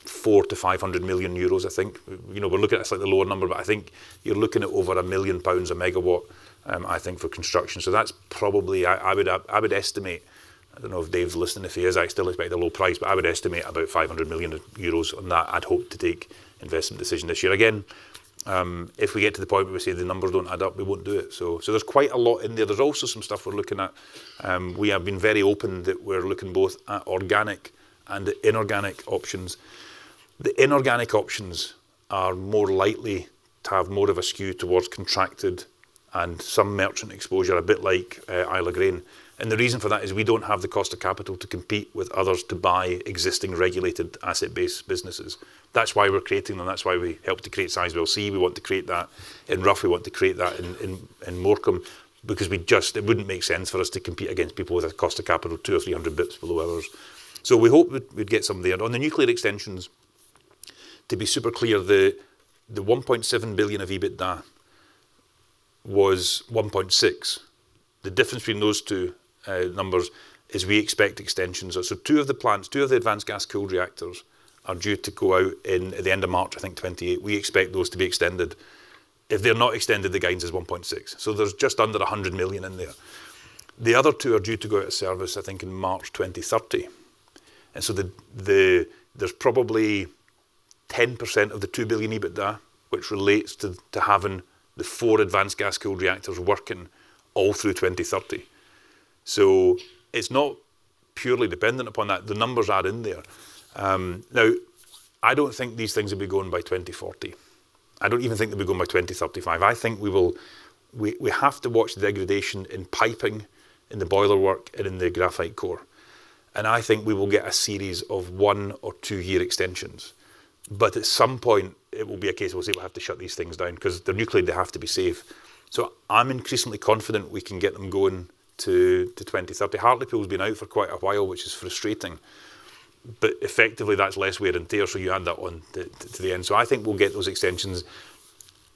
400 million-500 million euros, I think. You know, we're looking at a slightly lower number, but I think you're looking at over 1 million pounds a megawatt, I think for construction. So that's probably... I would estimate, I don't know if Dave's listening. If he is, I still expect a low price, but I would estimate about 500 million euros on that. I'd hope to take investment decision this year. Again, if we get to the point where we say the numbers don't add up, we won't do it. So, so there's quite a lot in there. There's also some stuff we're looking at. We have been very open that we're looking both at organic and inorganic options. The inorganic options are more likely to have more of a skew towards contracted and some merchant exposure, a bit like Isle of Grain. And the reason for that is we don't have the cost of capital to compete with others to buy existing regulated asset-based businesses. That's why we're creating them, that's why we helped to create Sizewell C. We want to create that in Rough, we want to create that in Morecambe, because we just- It wouldn't make sense for us to compete against people with a cost of capital 200 or 300 basis points below others. So we hope we'd, we'd get some there. On the nuclear extensions, to be super clear, the, the 1.7 billion of EBITDA was 1.6 billion. The difference between those two numbers is we expect extensions. So two of the plants, two of the advanced gas-cooled reactors are due to go out in the end of March, I think 2028. We expect those to be extended. If they're not extended, the guidance is 1.6 billion, so there's just under 100 million in there. The other two are due to go out of service, I think, in March 2030. There's probably 10% of the 2 billion EBITDA, which relates to having the four advanced gas-cooled reactors working all through 2030. So it's not purely dependent upon that. The numbers are in there. Now, I don't think these things will be going by 2040. I don't even think they'll be going by 2035. I think we will... We have to watch the degradation in piping, in the boiler work, and in the graphite core, and I think we will get a series of one or two-year extensions. But at some point, it will be a case where we'll have to shut these things down, 'cause they're nuclear, they have to be safe. So I'm increasingly confident we can get them going to 2030. Hartlepool has been out for quite a while, which is frustrating, but effectively that's less wear and tear, so you add that on to the end. So I think we'll get those extensions.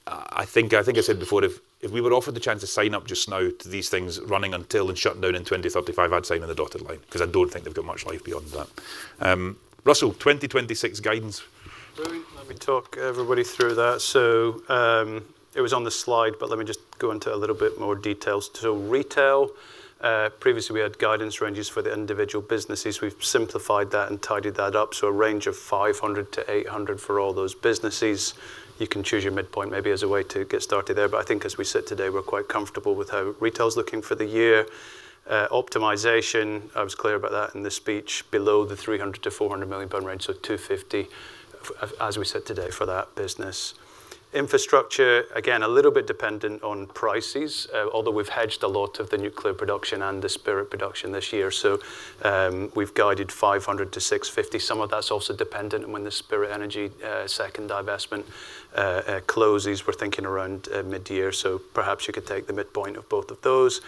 I think I said before, if we were offered the chance to sign up just now to these things running until and shutting down in 2035, I'd sign on the dotted line, 'cause I don't think they've got much life beyond that. Russell, 2026 guidance. Let me talk everybody through that. It was on the slide, but let me just go into a little bit more details. Retail, previously, we had guidance ranges for the individual businesses. We've simplified that and tidied that up, so a range of 500-800 million for all those businesses. You can choose your midpoint maybe as a way to get started there, but I think as we sit today, we're quite comfortable with how retail's looking for the year. Optimization, I was clear about that in the speech, below the 300-400 million pound range, so 250 million, as we said today, for that business. Infrastructure, again, a little bit dependent on prices, although we've hedged a lot of the nuclear production and the Spirit production this year. We've guided 500-650 million. Some of that's also dependent on when the Spirit Energy second divestment closes. We're thinking around mid-year, so perhaps you could take the midpoint of both of those.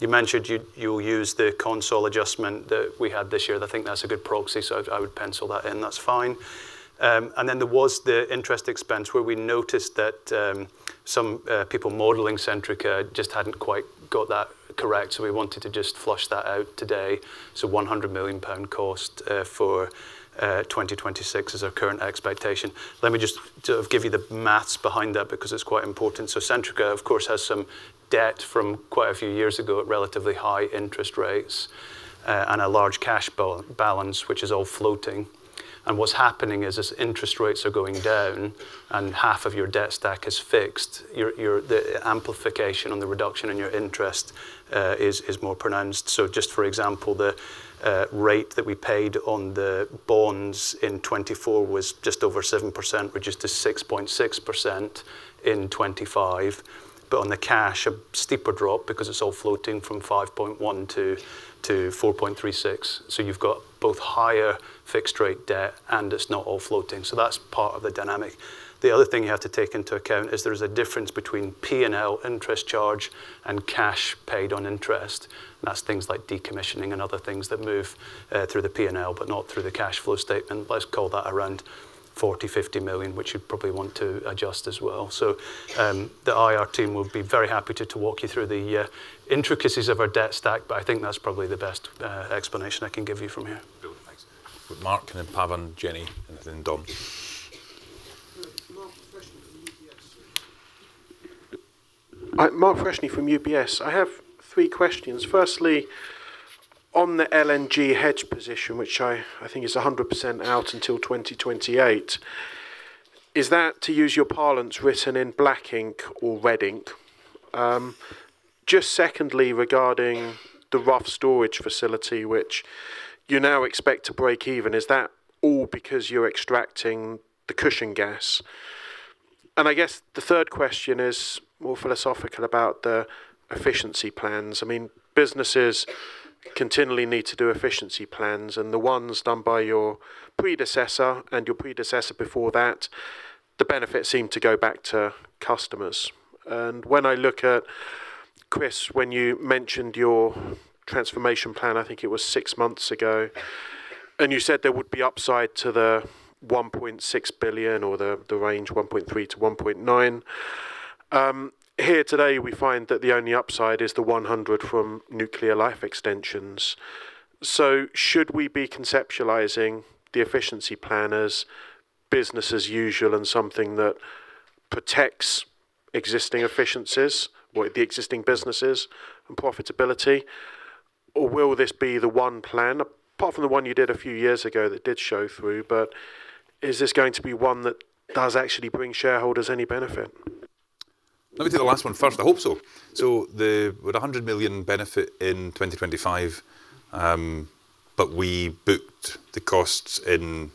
You mentioned you'll use the consensus adjustment that we had this year. I think that's a good proxy, so I'd pencil that in. That's fine. And then there was the interest expense, where we noticed that some people modeling Centrica just hadn't quite got that correct, so we wanted to just flesh that out today. So 100 million pound cost for 2026 is our current expectation. Let me just give you the math behind that, because it's quite important. So Centrica, of course, has some debt from quite a few years ago at relatively high interest rates, and a large cash balance, which is all floating. What's happening is, as interest rates are going down and half of your debt stack is fixed, your, the amplification on the reduction in your interest, is, is more pronounced. So just for example, the rate that we paid on the bonds in 2024 was just over 7%, reduced to 6.6% in 2025. But on the cash, a steeper drop, because it's all floating from 5.1 to 4.36. So you've got both higher fixed-rate debt, and it's not all floating. So that's part of the dynamic. The other thing you have to take into account is there's a difference between P&L interest charge and cash paid on interest. That's things like decommissioning and other things that move through the P&L, but not through the cash flow statement. Let's call that around 40 million-50 million, which you'd probably want to adjust as well. So, the IR team will be very happy to, to walk you through the intricacies of our debt stack, but I think that's probably the best explanation I can give you from here. Good. Thanks. Mark, and then Pavan, Jenny, and then Don. Mark Freshney from UBS. Hi, Mark Freshney from UBS. I have three questions. Firstly, on the LNG hedge position, which I, I think is 100% out until 2028, is that, to use your parlance, written in black ink or red ink? Just secondly, regarding the Rough storage facility, which you now expect to break even, is that all because you're extracting the cushion gas? And I guess the third question is more philosophical about the efficiency plans. I mean, businesses continually need to do efficiency plans, and the ones done by your predecessor and your predecessor before that, the benefits seem to go back to customers. And when I look at, Chris, when you mentioned your transformation plan, I think it was six months ago, and you said there would be upside to the 1.6 billion or the, the range, 1.3 billion-1.9 billion. Here today, we find that the only upside is the 100 million from nuclear life extensions. So should we be conceptualizing the efficiency plan as business as usual and something that protects existing efficiencies or the existing businesses and profitability? Or will this be the one plan, apart from the one you did a few years ago that did show through, but is this going to be one that does actually bring shareholders any benefit? Let me do the last one first. I hope so. So the, with a 100 million benefit in 2025, but we booked the costs in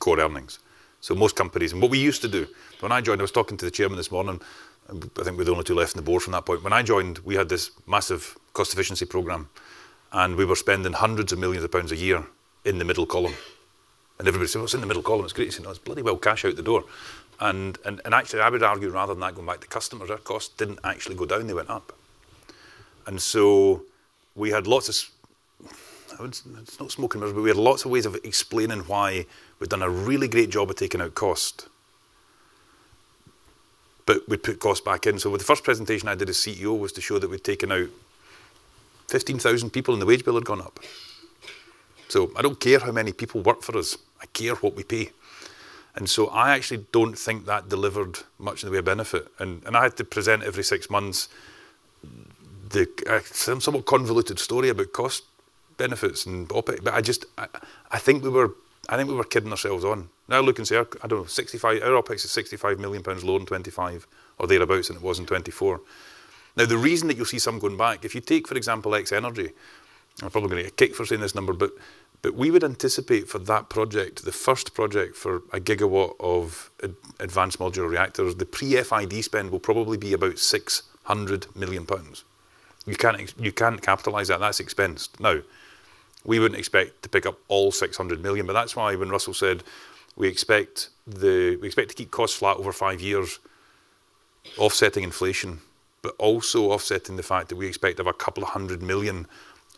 core earnings. So most companies... And what we used to do, when I joined, I was talking to the chairman this morning, I think we're the only two left on the board from that point. When I joined, we had this massive cost efficiency program, and we were spending hundreds of millions GBP a year in the middle column, and everybody said, "Well, it's in the middle column. It's great." You know, it's bloody well cash out the door. And, and, and actually, I would argue, rather than that going back to customers, our costs didn't actually go down, they went up. And so we had lots of—it's not smoke and mirrors, but we had lots of ways of explaining why we've done a really great job of taking out cost, but we put costs back in. So with the first presentation I did as CEO was to show that we'd taken out 15,000 people, and the wage bill had gone up. So I don't care how many people work for us, I care what we pay. And so I actually don't think that delivered much in the way of benefit. And I had to present every six months the some somewhat convoluted story about cost benefits and OpEx. But I just, I, I think we were, I think we were kidding ourselves on. Now, look and say, I don't know, 65, our OpEx is 65 million pounds lower in 2025 or thereabout than it was in 2024. Now, the reason that you'll see some going back, if you take, for example, X-energy, I'm probably going to get a kick for saying this number, but, but we would anticipate for that project, the first project for 1 gigawatt of advanced modular reactors, the pre-FID spend will probably be about 600 million pounds. You can't capitalize that. That's expensed. Now, we wouldn't expect to pick up all 600 million, but that's why when Russell said, we expect to keep costs flat over 5 years, offsetting inflation, but also offsetting the fact that we expect to have a couple of hundred million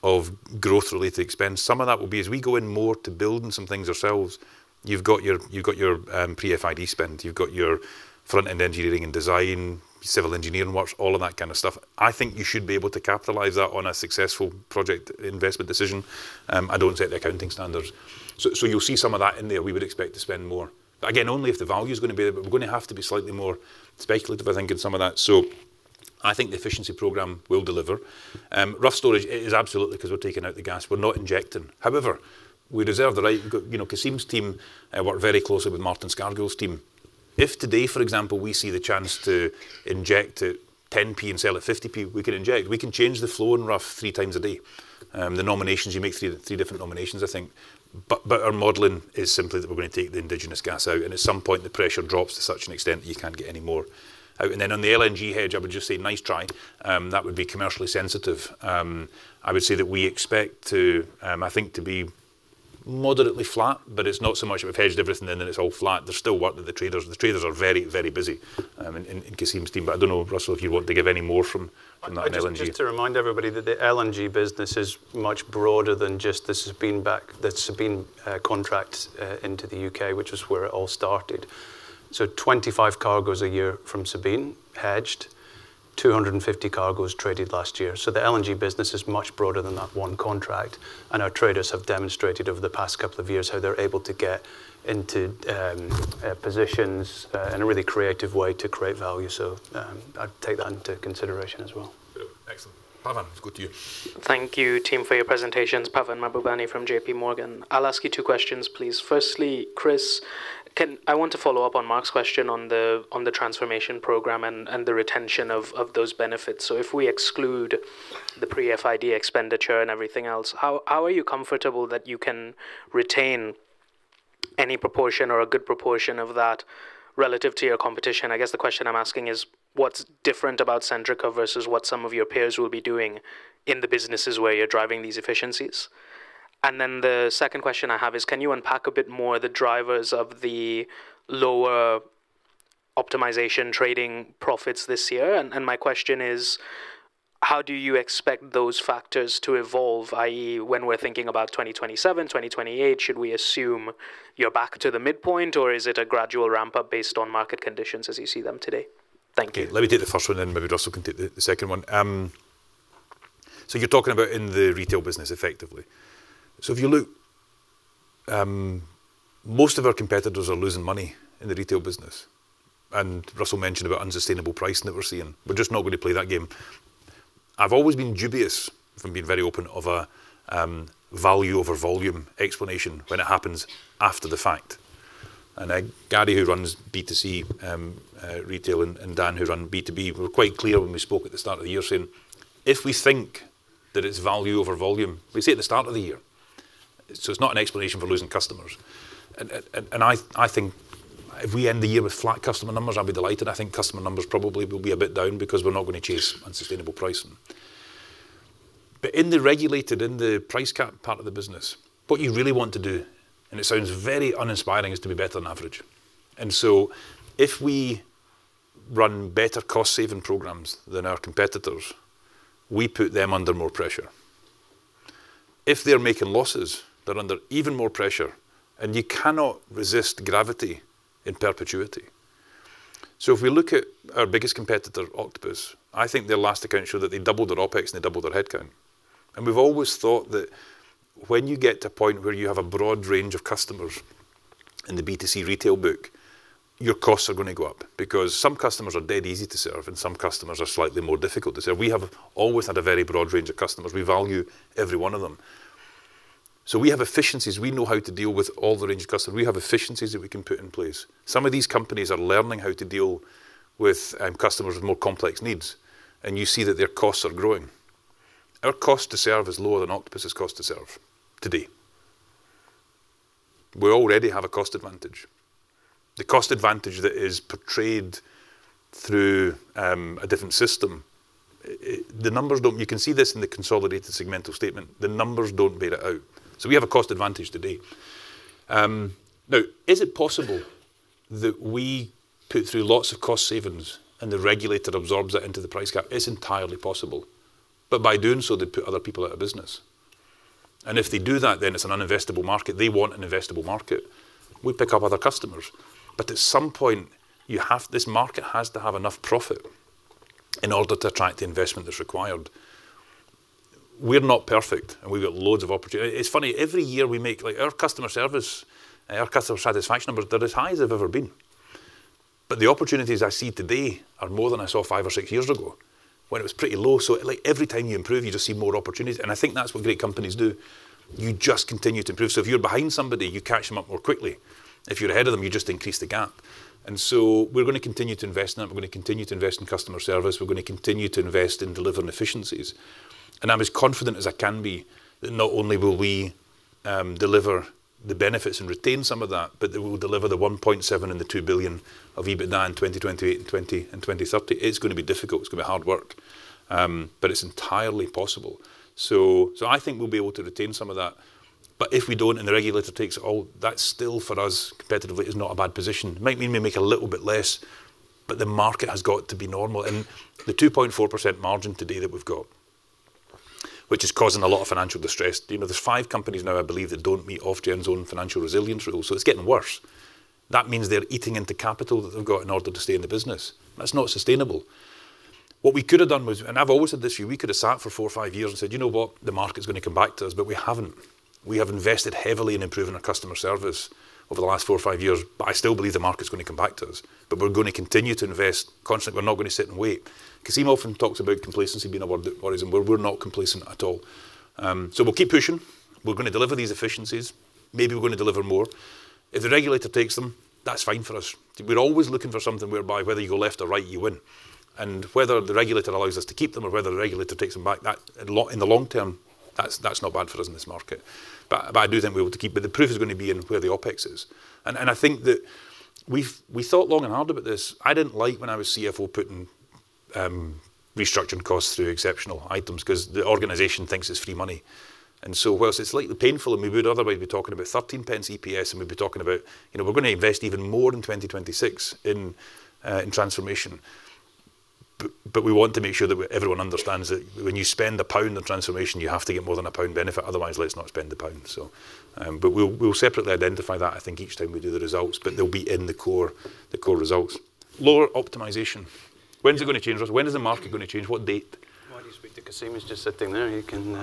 of growth-related expense. Some of that will be as we go in more to building some things ourselves. You've got your, you've got your pre-FID spend, you've got your front-end engineering and design, civil engineering works, all of that kind of stuff. I think you should be able to capitalize that on a successful project investment decision. I don't set the accounting standards. So, so you'll see some of that in there. We would expect to spend more. But again, only if the value is gonna be there, but we're gonna have to be slightly more speculative, I think, in some of that. So I think the efficiency program will deliver. Rough storage is absolutely because we're taking out the gas. We're not injecting. However, we reserve the right. You know, Cassim's team work very closely with Martin Scargill's team. If today, for example, we see the chance to inject at 0.10 and sell at 0.50, we can inject. We can change the flow in Rough three times a day. The nominations, you make three different nominations, I think. But our modeling is simply that we're gonna take the indigenous gas out, and at some point, the pressure drops to such an extent that you can't get any more out. And then on the LNG hedge, I would just say nice try. That would be commercially sensitive. I would say that we expect to, I think to be moderately flat, but it's not so much we've hedged everything in, and it's all flat. There's still work that the traders, the traders are very, very busy, in Cassim's team. But I don't know, Russell, if you want to give any more from on that LNG. Just to remind everybody that the LNG business is much broader than just the Sabine Pass, the Sabine Pass contract into the U.K., which is where it all started. So 25 cargos a year from Sabine Pass hedged, 250 cargos traded last year. So the LNG business is much broader than that one contract, and our traders have demonstrated over the past couple of years how they're able to get into positions in a really creative way to create value. So I'd take that into consideration as well. Excellent. Pavan, good to you. Thank you, team, for your presentations. Pavan Mahbubani from JPMorgan. I'll ask you two questions, please. Firstly, Chris, I want to follow up on Mark's question on the transformation program and the retention of those benefits. So if we exclude the pre-FID expenditure and everything else, how are you comfortable that you can retain any proportion or a good proportion of that relative to your competition. I guess the question I'm asking is, what's different about Centrica versus what some of your peers will be doing in the businesses where you're driving these efficiencies? And then the second question I have is, can you unpack a bit more the drivers of the lower optimization trading profits this year? My question is, how do you expect those factors to evolve, i.e., when we're thinking about 2027, 2028, should we assume you're back to the midpoint, or is it a gradual ramp-up based on market conditions as you see them today? Thank you. Okay, let me take the first one, then maybe Russell can take the second one. So you're talking about in the retail business, effectively. So if you look, most of our competitors are losing money in the retail business, and Russell mentioned about unsustainable pricing that we're seeing. We're just not going to play that game. I've always been dubious, if I'm being very open, of a value over volume explanation when it happens after the fact. And Gary, who runs B2C retail, and Dan, who run B2B, were quite clear when we spoke at the start of the year, saying, "If we think that it's value over volume, we say at the start of the year," so it's not an explanation for losing customers. I think if we end the year with flat customer numbers, I'll be delighted. I think customer numbers probably will be a bit down because we're not going to chase unsustainable pricing. But in the regulated price cap part of the business, what you really want to do, and it sounds very uninspiring, is to be better than average. So if we run better cost-saving programs than our competitors, we put them under more pressure. If they're making losses, they're under even more pressure, and you cannot resist gravity in perpetuity. So if we look at our biggest competitor, Octopus, I think their last account showed that they doubled their OpEx, and they doubled their headcount. We've always thought that when you get to a point where you have a broad range of customers in the B2C retail book, your costs are going to go up because some customers are dead easy to serve, and some customers are slightly more difficult to serve. We have always had a very broad range of customers. We value every one of them. We have efficiencies. We know how to deal with all the range of customers. We have efficiencies that we can put in place. Some of these companies are learning how to deal with customers with more complex needs, and you see that their costs are growing. Our cost to serve is lower than Octopus's cost to serve today. We already have a cost advantage. The cost advantage that is portrayed through a different system, the numbers don't... You can see this in the consolidated segmental statement. The numbers don't bear it out. So we have a cost advantage today. Now, is it possible that we put through lots of cost savings and the regulator absorbs that into the price gap? It's entirely possible, but by doing so, they'd put other people out of business. And if they do that, then it's an uninvestable market. They want an investable market. We pick up other customers, but at some point, this market has to have enough profit in order to attract the investment that's required. We're not perfect, and we've got loads of opportunity. It's funny, every year we make... Like, our customer service, our customer satisfaction numbers, they're as high as they've ever been. But the opportunities I see today are more than I saw five or six years ago, when it was pretty low. So, like, every time you improve, you just see more opportunities, and I think that's what great companies do. You just continue to improve. So if you're behind somebody, you catch them up more quickly. If you're ahead of them, you just increase the gap. And so we're going to continue to invest, and we're going to continue to invest in customer service. We're going to continue to invest in delivering efficiencies. And I'm as confident as I can be that not only will we deliver the benefits and retain some of that, but that we will deliver the 1.7 billion and the 2 billion of EBITDA in 2028 and 2030. It's going to be difficult. It's going to be hard work, but it's entirely possible. So, so I think we'll be able to retain some of that, but if we don't, and the regulator takes it all, that's still, for us, competitively, is not a bad position. Might mean we make a little bit less, but the market has got to be normal. And the 2.4% margin today that we've got, which is causing a lot of financial distress. You know, there's five companies now, I believe, that don't meet Ofgem's own financial resilience rules, so it's getting worse. That means they're eating into capital that they've got in order to stay in the business. That's not sustainable. What we could have done was, and I've always had this view, we could have sat for four or five years and said, "You know what? The market's going to come back to us," but we haven't. We have invested heavily in improving our customer service over the last four or five years, but I still believe the market's going to come back to us, but we're going to continue to invest constantly. We're not going to sit and wait. Kasim often talks about complacency being a word that worries him, but we're not complacent at all. So we'll keep pushing. We're going to deliver these efficiencies. Maybe we're going to deliver more. If the regulator takes them, that's fine for us. We're always looking for something whereby whether you go left or right, you win. And whether the regulator allows us to keep them or whether the regulator takes them back, in the long term, that's not bad for us in this market. I do think we ought to keep, but the proof is going to be in where the OpEx is. I think that we've-- we thought long and hard about this. I didn't like when I was CFO, putting restructuring costs through exceptional items because the organization thinks it's free money. So whilst it's slightly painful, and we would otherwise be talking about 13 pence EPS, and we'd be talking about, you know, we're going to invest even more in 2026 in transformation. But we want to make sure that we-- everyone understands that when you spend a pound on transformation, you have to get more than a pound benefit. Otherwise, let's not spend the pound. We'll separately identify that, I think, each time we do the results, but they'll be in the core, the core results. Lower optimization. When's it going to change, Russell? When is the market going to change? What date? Well, you speak to Kasim. He's just sitting there. You can,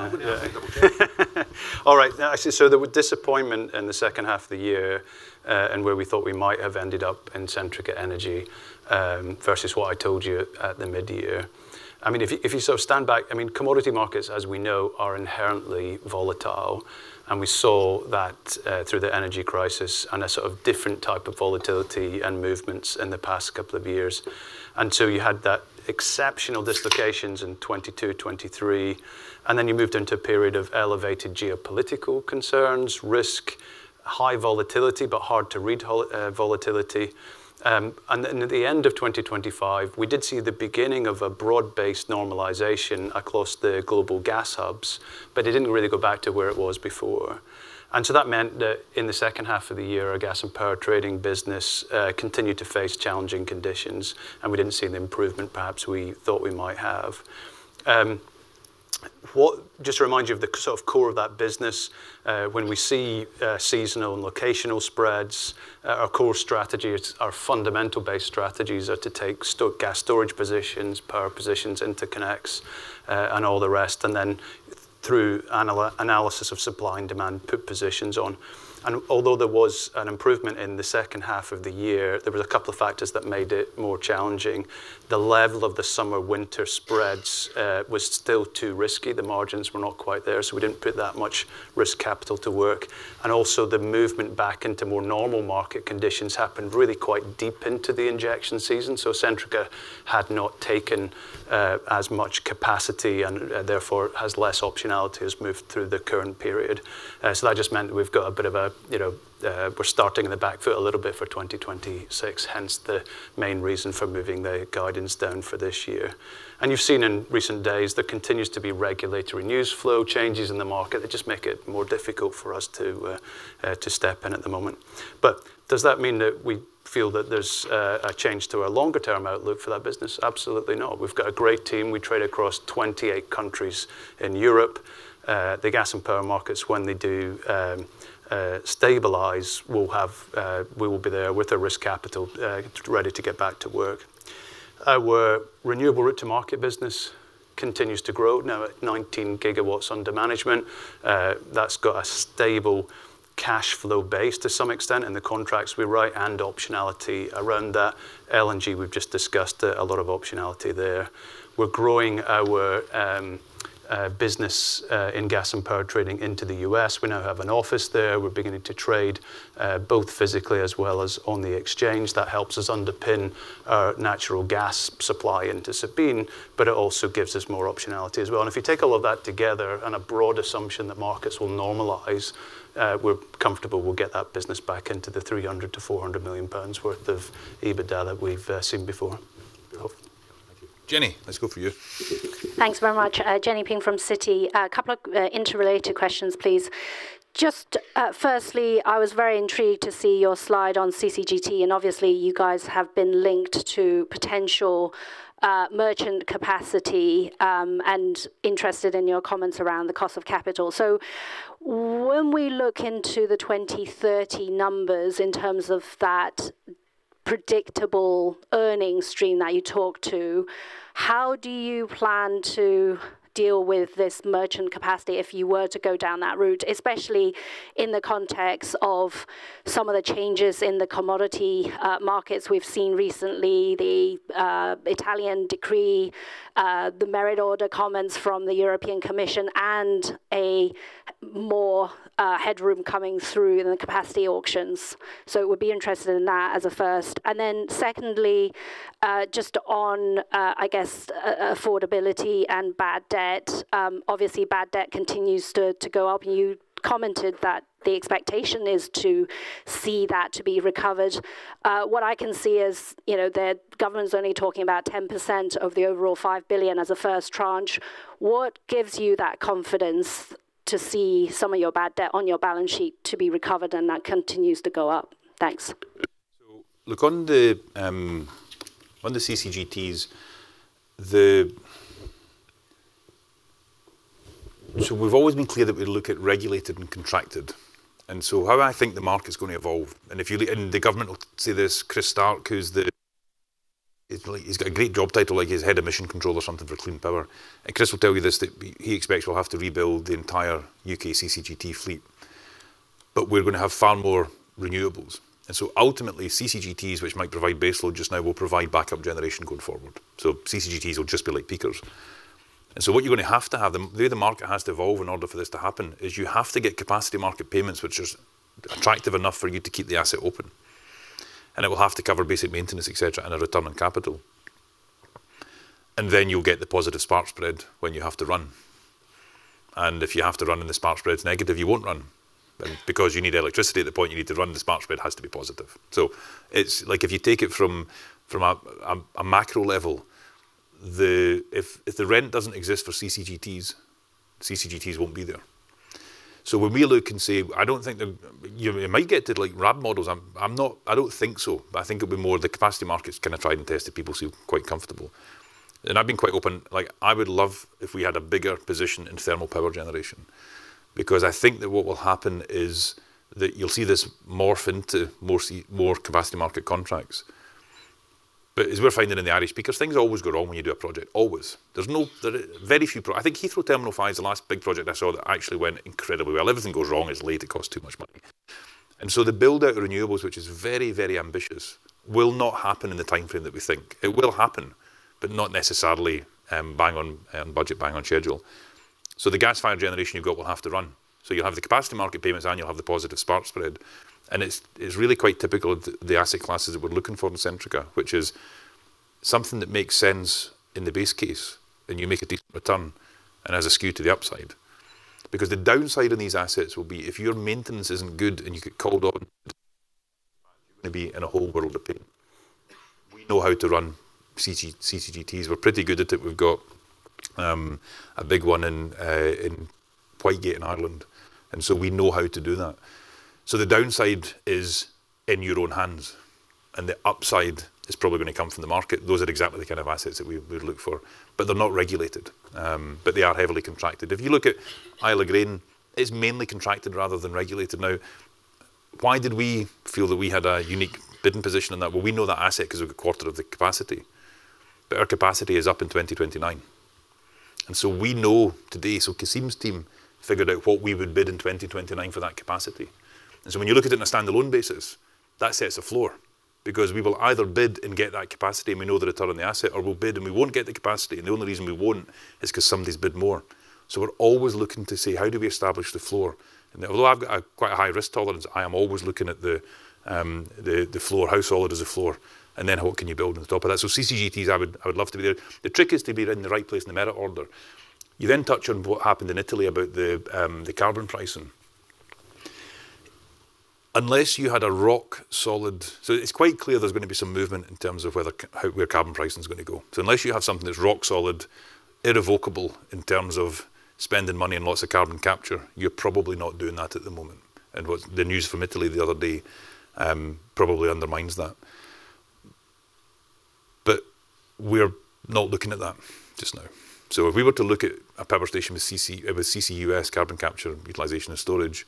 All right, now actually, so there was disappointment in the second half of the year, and where we thought we might have ended up in Centrica Energy versus what I told you at the mid-year. I mean, if you sort of stand back, I mean, commodity markets, as we know, are inherently volatile, and we saw that through the energy crisis and a sort of different type of volatility and movements in the past couple of years. And so you had that exceptional dislocations in 2022, 2023, and then you moved into a period of elevated geopolitical concerns, risk, high volatility, but hard-to-read volatility. And then at the end of 2025, we did see the beginning of a broad-based normalization across the global gas hubs, but it didn't really go back to where it was before. And so that meant that in the second half of the year, our gas and power trading business continued to face challenging conditions, and we didn't see the improvement perhaps we thought we might have. Just to remind you of the sort of core of that business, when we see seasonal and locational spreads, our core strategy is, our fundamental base strategies are to take gas storage positions, power positions, interconnects, and all the rest, and then through analysis of supply and demand, put positions on. And although there was an improvement in the second half of the year, there were a couple of factors that made it more challenging. The level of the summer-winter spreads was still too risky. The margins were not quite there, so we didn't put that much risk capital to work. And also, the movement back into more normal market conditions happened really quite deep into the injection season. So Centrica had not taken as much capacity and therefore has less optionality as moved through the current period. So that just meant we've got a bit of a, you know, we're starting in the back foot a little bit for 2026, hence the main reason for moving the guidance down for this year. And you've seen in recent days, there continues to be regulatory news flow changes in the market that just make it more difficult for us to step in at the moment. But does that mean that we feel that there's a change to our longer-term outlook for that business? Absolutely not. We've got a great team. We trade across 28 countries in Europe. The gas and power markets, when they do stabilize, we'll have, we will be there with the risk capital, ready to get back to work. Our renewable route to market business continues to grow, now at 19 gigawatts under management. That's got a stable cash flow base to some extent, and the contracts we write and optionality around that. LNG, we've just discussed a lot of optionality there. We're growing our business in gas and power trading into the U.S. We now have an office there. We're beginning to trade both physically as well as on the exchange. That helps us underpin our natural gas supply into Sabine, but it also gives us more optionality as well. If you take all of that together and a broad assumption that markets will normalize, we're comfortable we'll get that business back into the 300 million-400 million pounds worth of EBITDA that we've seen before. Thank you. Jenny, let's go for you. Thanks very much. Jenny Ping from Citi. A couple of interrelated questions, please. Just firstly, I was very intrigued to see your slide on CCGT, and obviously, you guys have been linked to potential merchant capacity, and interested in your comments around the cost of capital. So when we look into the 2030 numbers in terms of that predictable earning stream that you talked to, how do you plan to deal with this merchant capacity if you were to go down that route, especially in the context of some of the changes in the commodity markets we've seen recently, the Italian decree, the merit order comments from the European Commission, and a more headroom coming through in the capacity auctions? So would be interested in that as a first. Then secondly, just on, I guess, affordability and bad debt. Obviously, bad debt continues to go up. You commented that the expectation is to see that to be recovered. What I can see is, you know, the government's only talking about 10% of the overall 5 billion as a first tranche. What gives you that confidence to see some of your bad debt on your balance sheet to be recovered, and that continues to go up? Thanks. So look, on the CCGTs. So we've always been clear that we look at regulated and contracted, and so how I think the market's going to evolve, and the government will say this, Chris Stark, who's, like, he's got a great job title, like he's head of mission control or something for clean power. And Chris will tell you this, that he expects we'll have to rebuild the entire U.K. CCGT fleet, but we're going to have far more renewables. And so ultimately, CCGTs, which might provide baseload just now, will provide backup generation going forward. So CCGTs will just be like peakers. And so what you're going to have to have, the way the market has to evolve in order for this to happen, is you have to get capacity market payments, which is attractive enough for you to keep the asset open. And it will have to cover basic maintenance, et cetera, and a return on capital. And then you'll get the positive spark spread when you have to run. And if you have to run and the spark spread's negative, you won't run. And because you need electricity at the point you need to run, the spark spread has to be positive. So it's like if you take it from a macro level, if the rent doesn't exist for CCGTs, CCGTs won't be there. So when we look and say, I don't think the... You might get to, like, RAB models. I'm not—I don't think so, but I think it'll be more the capacity markets kind of try and test if people seem quite comfortable. And I've been quite open. Like, I would love if we had a bigger position in thermal power generation because I think that what will happen is that you'll see this morph into more capacity market contracts, but as we're finding in the Irish because things always go wrong when you do a project. Always. There are very few projects. I think Heathrow Terminal 5 is the last big project I saw that actually went incredibly well. Everything goes wrong, it's late, it costs too much money. And so the build-out renewables, which is very, very ambitious, will not happen in the timeframe that we think. It will happen, but not necessarily bang on budget, bang on schedule. So the gas-fired generation you've got will have to run. So you'll have the capacity market payments, and you'll have the positive spark spread, and it's, it's really quite typical of the, the asset classes that we're looking for in Centrica, which is something that makes sense in the base case, and you make a decent return and has a skew to the upside. Because the downside of these assets will be if your maintenance isn't good and you get called on, you're gonna be in a whole world of pain. We know how to run CCGTs. We're pretty good at it. We've got a big one in in Whitegate, in Ireland, and so we know how to do that. So the downside is in your own hands, and the upside is probably gonna come from the market. Those are exactly the kind of assets that we, we'd look for, but they're not regulated, but they are heavily contracted. If you look at Isle of Grain, it's mainly contracted rather than regulated. Now, why did we feel that we had a unique bidding position in that? Well, we know that asset 'cause we've got a quarter of the capacity, but our capacity is up in 2029, and so we know today, so Kasim's team figured out what we would bid in 2029 for that capacity. And so when you look at it on a standalone basis, that sets a floor because we will either bid and get that capacity, and we know the return on the asset, or we'll bid, and we won't get the capacity, and the only reason we wouldn't is 'cause somebody's bid more. So we're always looking to say, "How do we establish the floor?" And although I've got quite a high risk tolerance, I am always looking at the floor, how solid is the floor and then what can you build on top of that? So CCGTs, I would love to be there. The trick is to be in the right place in the merit order. You then touch on what happened in Italy about the carbon pricing. Unless you had a rock-solid... So it's quite clear there's gonna be some movement in terms of whether how, where carbon pricing is gonna go. So unless you have something that's rock solid, irrevocable in terms of spending money and lots of carbon capture, you're probably not doing that at the moment, and what the news from Italy the other day probably undermines that. But we're not looking at that just now. So if we were to look at a power station with CC, with CCUS, carbon capture, utilization and storage,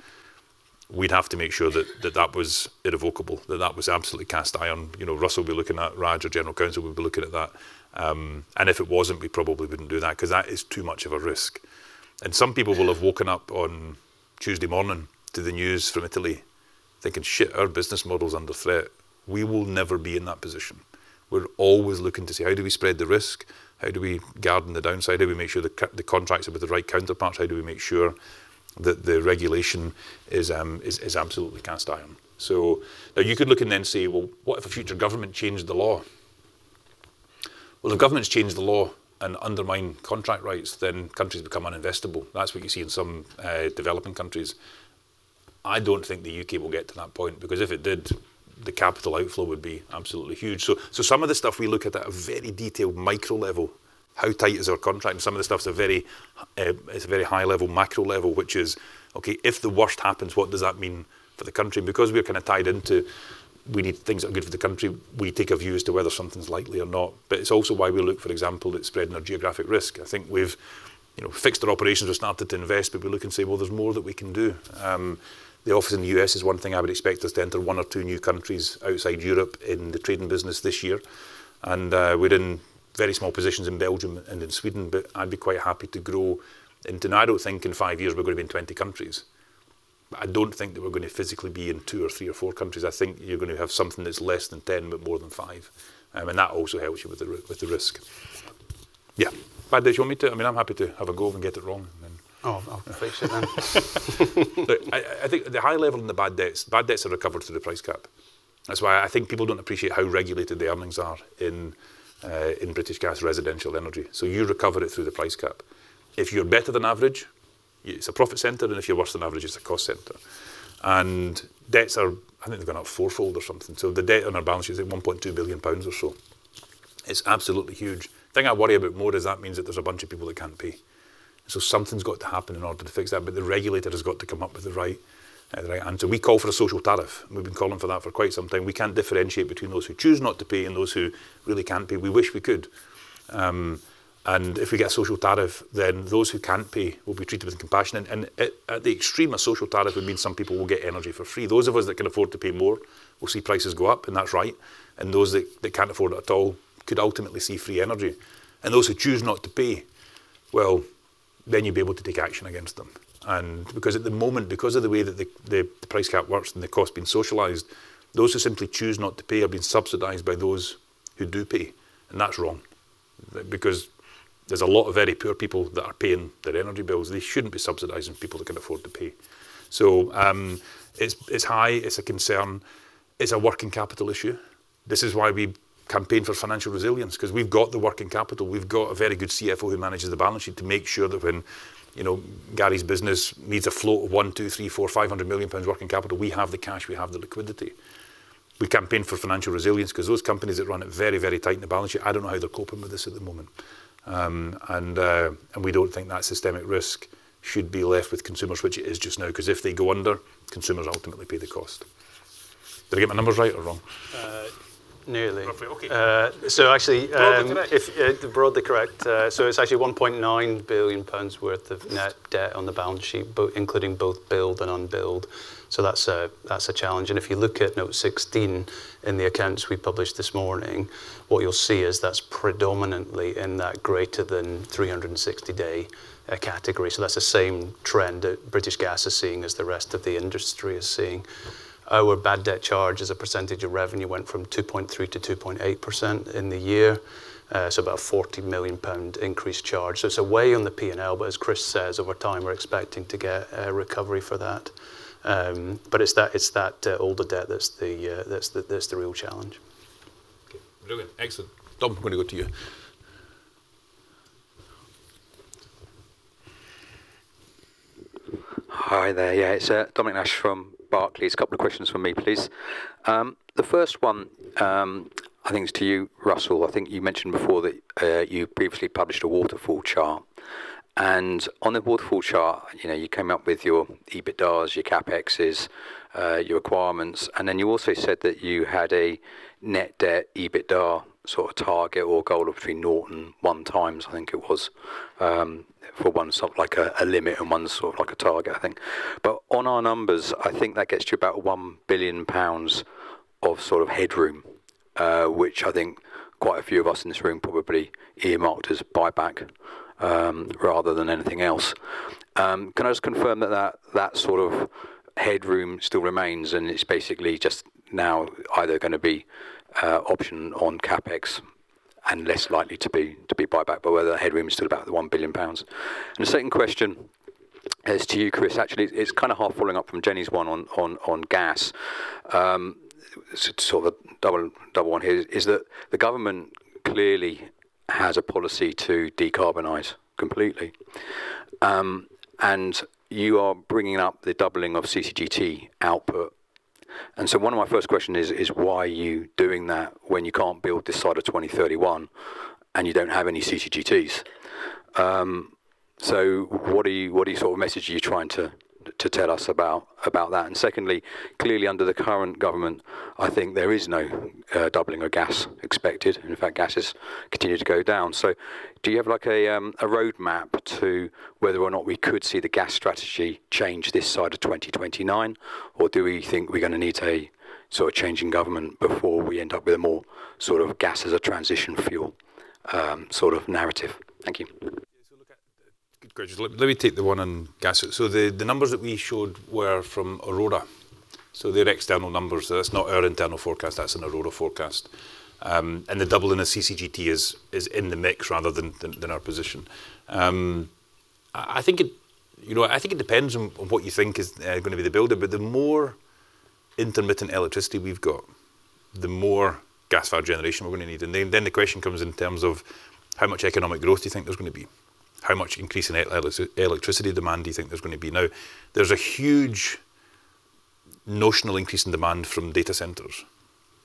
we'd have to make sure that, that that was irrevocable, that that was absolutely cast iron. You know, Russell would be looking at Raj or General Counsel would be looking at that, and if it wasn't, we probably wouldn't do that 'cause that is too much of a risk. And some people will have woken up on Tuesday morning to the news from Italy, thinking, "Our business model's under threat." We will never be in that position. We're always looking to see, how do we spread the risk? How do we guard the downside? How do we make sure the contracts are with the right counterparts? How do we make sure that the regulation is absolutely cast iron? So now, you could look and then say, "Well, what if a future government changed the law?" Well, if governments change the law and undermine contract rights, then countries become uninvestable. That's what you see in some developing countries. I don't think the U.K. will get to that point because if it did, the capital outflow would be absolutely huge. So some of the stuff we look at at a very detailed, micro level, how tight is our contract? And some of the stuff is a very high level, macro level, which is, okay, if the worst happens, what does that mean for the country? Because we are kinda tied into, we need things that are good for the country, we take a view as to whether something's likely or not, but it's also why we look, for example, at spreading our geographic risk. I think we've, you know, fixed our operations. We've started to invest, but we look and say, "Well, there's more that we can do." The office in the U.S. is one thing. I would expect us to enter 1 or 2 new countries outside Europe in the trading business this year, and, we're in very small positions in Belgium and in Sweden, but I'd be quite happy to grow. And then I don't think in 5 years we're gonna be in 20 countries, but I don't think that we're gonna physically be in 2 or 3 or 4 countries. I think you're gonna have something that's less than 10, but more than 5, and that also helps you with the risk. Yeah. Bad debts, you want me to? I mean, I'm happy to have a go and get it wrong, and then- Oh, I'll appreciate that. Look, I think at the high level, in the bad debts, bad debts are recovered through the price cap. That's why I think people don't appreciate how regulated the earnings are in British Gas, residential energy. So you recover it through the price cap. If you're better than average, it's a profit center, and if you're worse than average, it's a cost center. And debts are... I think they've gone up fourfold or something, so the debt on our balance sheet is 1.2 billion pounds or so. It's absolutely huge. The thing I worry about more is that means that there's a bunch of people that can't pay, so something's got to happen in order to fix that, but the regulator has got to come up with the right answer. We call for a social tariff. We've been calling for that for quite some time. We can't differentiate between those who choose not to pay and those who really can't pay. We wish we could. And if we get a social tariff, then those who can't pay will be treated with compassion. And at the extreme, a social tariff would mean some people will get energy for free. Those of us that can afford to pay more will see prices go up, and that's right. And those that can't afford it at all could ultimately see free energy. And those who choose not to pay, well, then you'll be able to take action against them and... Because at the moment, because of the way that the price cap works and the cost being socialized, those who simply choose not to pay are being subsidized by those who do pay, and that's wrong. Because there's a lot of very poor people that are paying their energy bills, they shouldn't be subsidizing people that can afford to pay. So, it's high. It's a concern. It's a working capital issue. This is why we campaign for financial resilience, 'cause we've got the working capital. We've got a very good CFO who manages the balance sheet to make sure that when, you know, Gary's business needs a flow of 100 million, 200 million, 300 million, 400 million, 500 million pounds working capital, we have the cash, we have the liquidity. We campaign for financial resilience 'cause those companies that run it very, very tight in the balance sheet. I don't know how they're coping with this at the moment. We don't think that systemic risk should be left with consumers, which it is just now, 'cause if they go under, consumers ultimately pay the cost. Did I get my numbers right or wrong? Nearly. Okay, okay. So actually, Broadly correct. If, broadly correct. So it's actually 1.9 billion pounds worth of net debt on the balance sheet, including both build and unbuild. So that's a, that's a challenge. And if you look at note 16 in the accounts we published this morning, what you'll see is that's predominantly in that greater than 360-day category. So that's the same trend that British Gas is seeing as the rest of the industry is seeing. Our bad debt charge as a percentage of revenue went from 2.3% to 2.8% in the year. So about 40 million pound increased charge. So it's a weigh on the P&L, but as Chris says, over time, we're expecting to get a recovery for that. But it's that older debt that's the real challenge. Okay. Very good. Excellent. Dominic, I'm gonna go to you. Hi there. Yeah, it's Dominic Nash from Barclays. A couple of questions from me, please. The first one, I think it's to you, Russell. I think you mentioned before that you previously published a waterfall chart, and on the waterfall chart, you know, you came up with your EBITDAs, your CapExes, your requirements, and then you also said that you had a net debt EBITDA sort of target or goal of between 0 and 1 times, I think it was, for one sort like a, a limit and one sort of like a target, I think. But on our numbers, I think that gets to about 1 billion pounds of sort of headroom, which I think quite a few of us in this room probably earmarked as buyback, rather than anything else. Can I just confirm that that sort of headroom still remains, and it's basically just now either gonna be option on CapEx and less likely to be buyback, but whether the headroom is still about 1 billion pounds? And the second question is to you, Chris. Actually, it's kinda half following up from Jenny's one on gas. Sort of double one here is that the government clearly has a policy to decarbonize completely, and you are bringing up the doubling of CCGT output. And so one of my first question is why are you doing that when you can't build this side of 2031 and you don't have any CCGTs? So what sort of message are you trying to tell us about that? And secondly, clearly, under the current government, I think there is no doubling of gas expected, and in fact, gas has continued to go down. So do you have like a roadmap to whether or not we could see the gas strategy change this side of 2029? Or do we think we're gonna need a sort of change in government before we end up with a more sort of gas as a transition fuel, sort of narrative? Thank you. So look at... Good question. Let me take the one on gas. So the numbers that we showed were from Aurora. So they're external numbers. That's not our internal forecast, that's an Aurora forecast. And the double in the CCGT is in the mix rather than our position. I think it, you know, I think it depends on what you think is gonna be the builder, but the more intermittent electricity we've got, the more gas-fired generation we're gonna need. And then the question comes in terms of: how much economic growth do you think there's gonna be? How much increase in electricity demand do you think there's gonna be? Now, there's a huge notional increase in demand from data centers.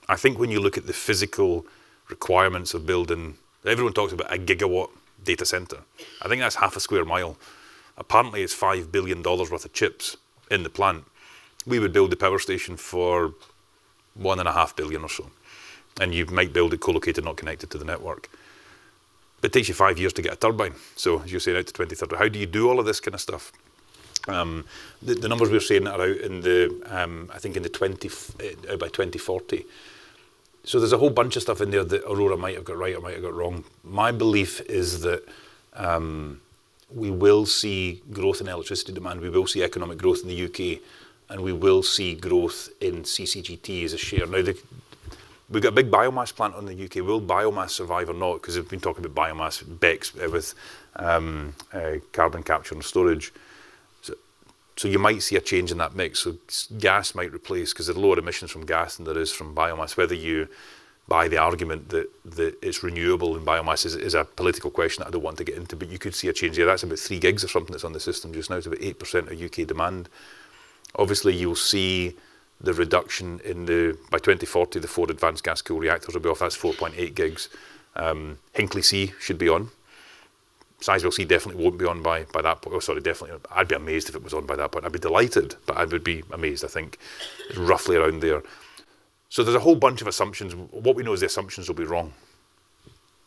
I think when you look at the physical requirements of building... Everyone talks about a gigawatt data center. I think that's half a square mile. Apparently, it's $5 billion worth of chips in the plant. We would build a power station for $1.5 billion or so, and you might build it co-located, not connected to the network. It takes you 5 years to get a turbine, so as you say, out to 2030. How do you do all of this kind of stuff? The numbers we're seeing are out in the, I think in the 20, by 2040. So there's a whole bunch of stuff in there that Aurora might have got right or might have got wrong. My belief is that, we will see growth in electricity demand, we will see economic growth in the U.K., and we will see growth in CCGT as a share. Now, we've got a big biomass plant on the U.K. Will biomass survive or not? 'Cause we've been talking about biomass BECCS with carbon capture and storage. So, so you might see a change in that mix, so gas might replace, 'cause there are lower emissions from gas than there is from biomass. Whether you buy the argument that, that it's renewable and biomass is, is a political question I don't want to get into, but you could see a change there. That's about 3 gigs or something that's on the system just now. It's about 8% of U.K. demand. Obviously, you'll see the reduction in the... By 2040, the four advanced gas-cooled reactors will be off. That's 4.8 gigs. Hinkley C should be on. Sizewell C definitely won't be on by, by that point. Oh, sorry, definitely. I'd be amazed if it was on by that point. I'd be delighted, but I would be amazed. I think roughly around there. So there's a whole bunch of assumptions. What we know is the assumptions will be wrong,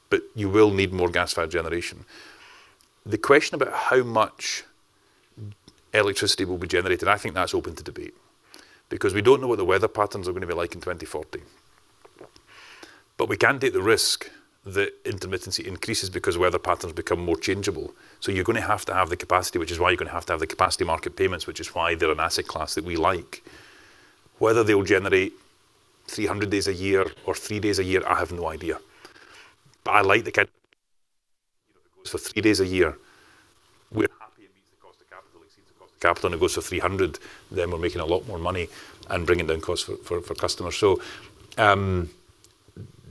but you will need more gas-fired generation. The question about how much electricity will be generated, I think that's open to debate because we don't know what the weather patterns are gonna be like in 2040. But we can take the risk that intermittency increases because weather patterns become more changeable. So you're gonna have to have the capacity, which is why you're gonna have to have the capacity market payments, which is why they're an asset class that we like. Whether they will generate 300 days a year or 3 days a year, I have no idea. But I like the kind... If it goes for 3 days a year, we're happy it meets the cost of capital, exceeds the cost of capital, and it goes to 300, then we're making a lot more money and bringing down costs for customers. So,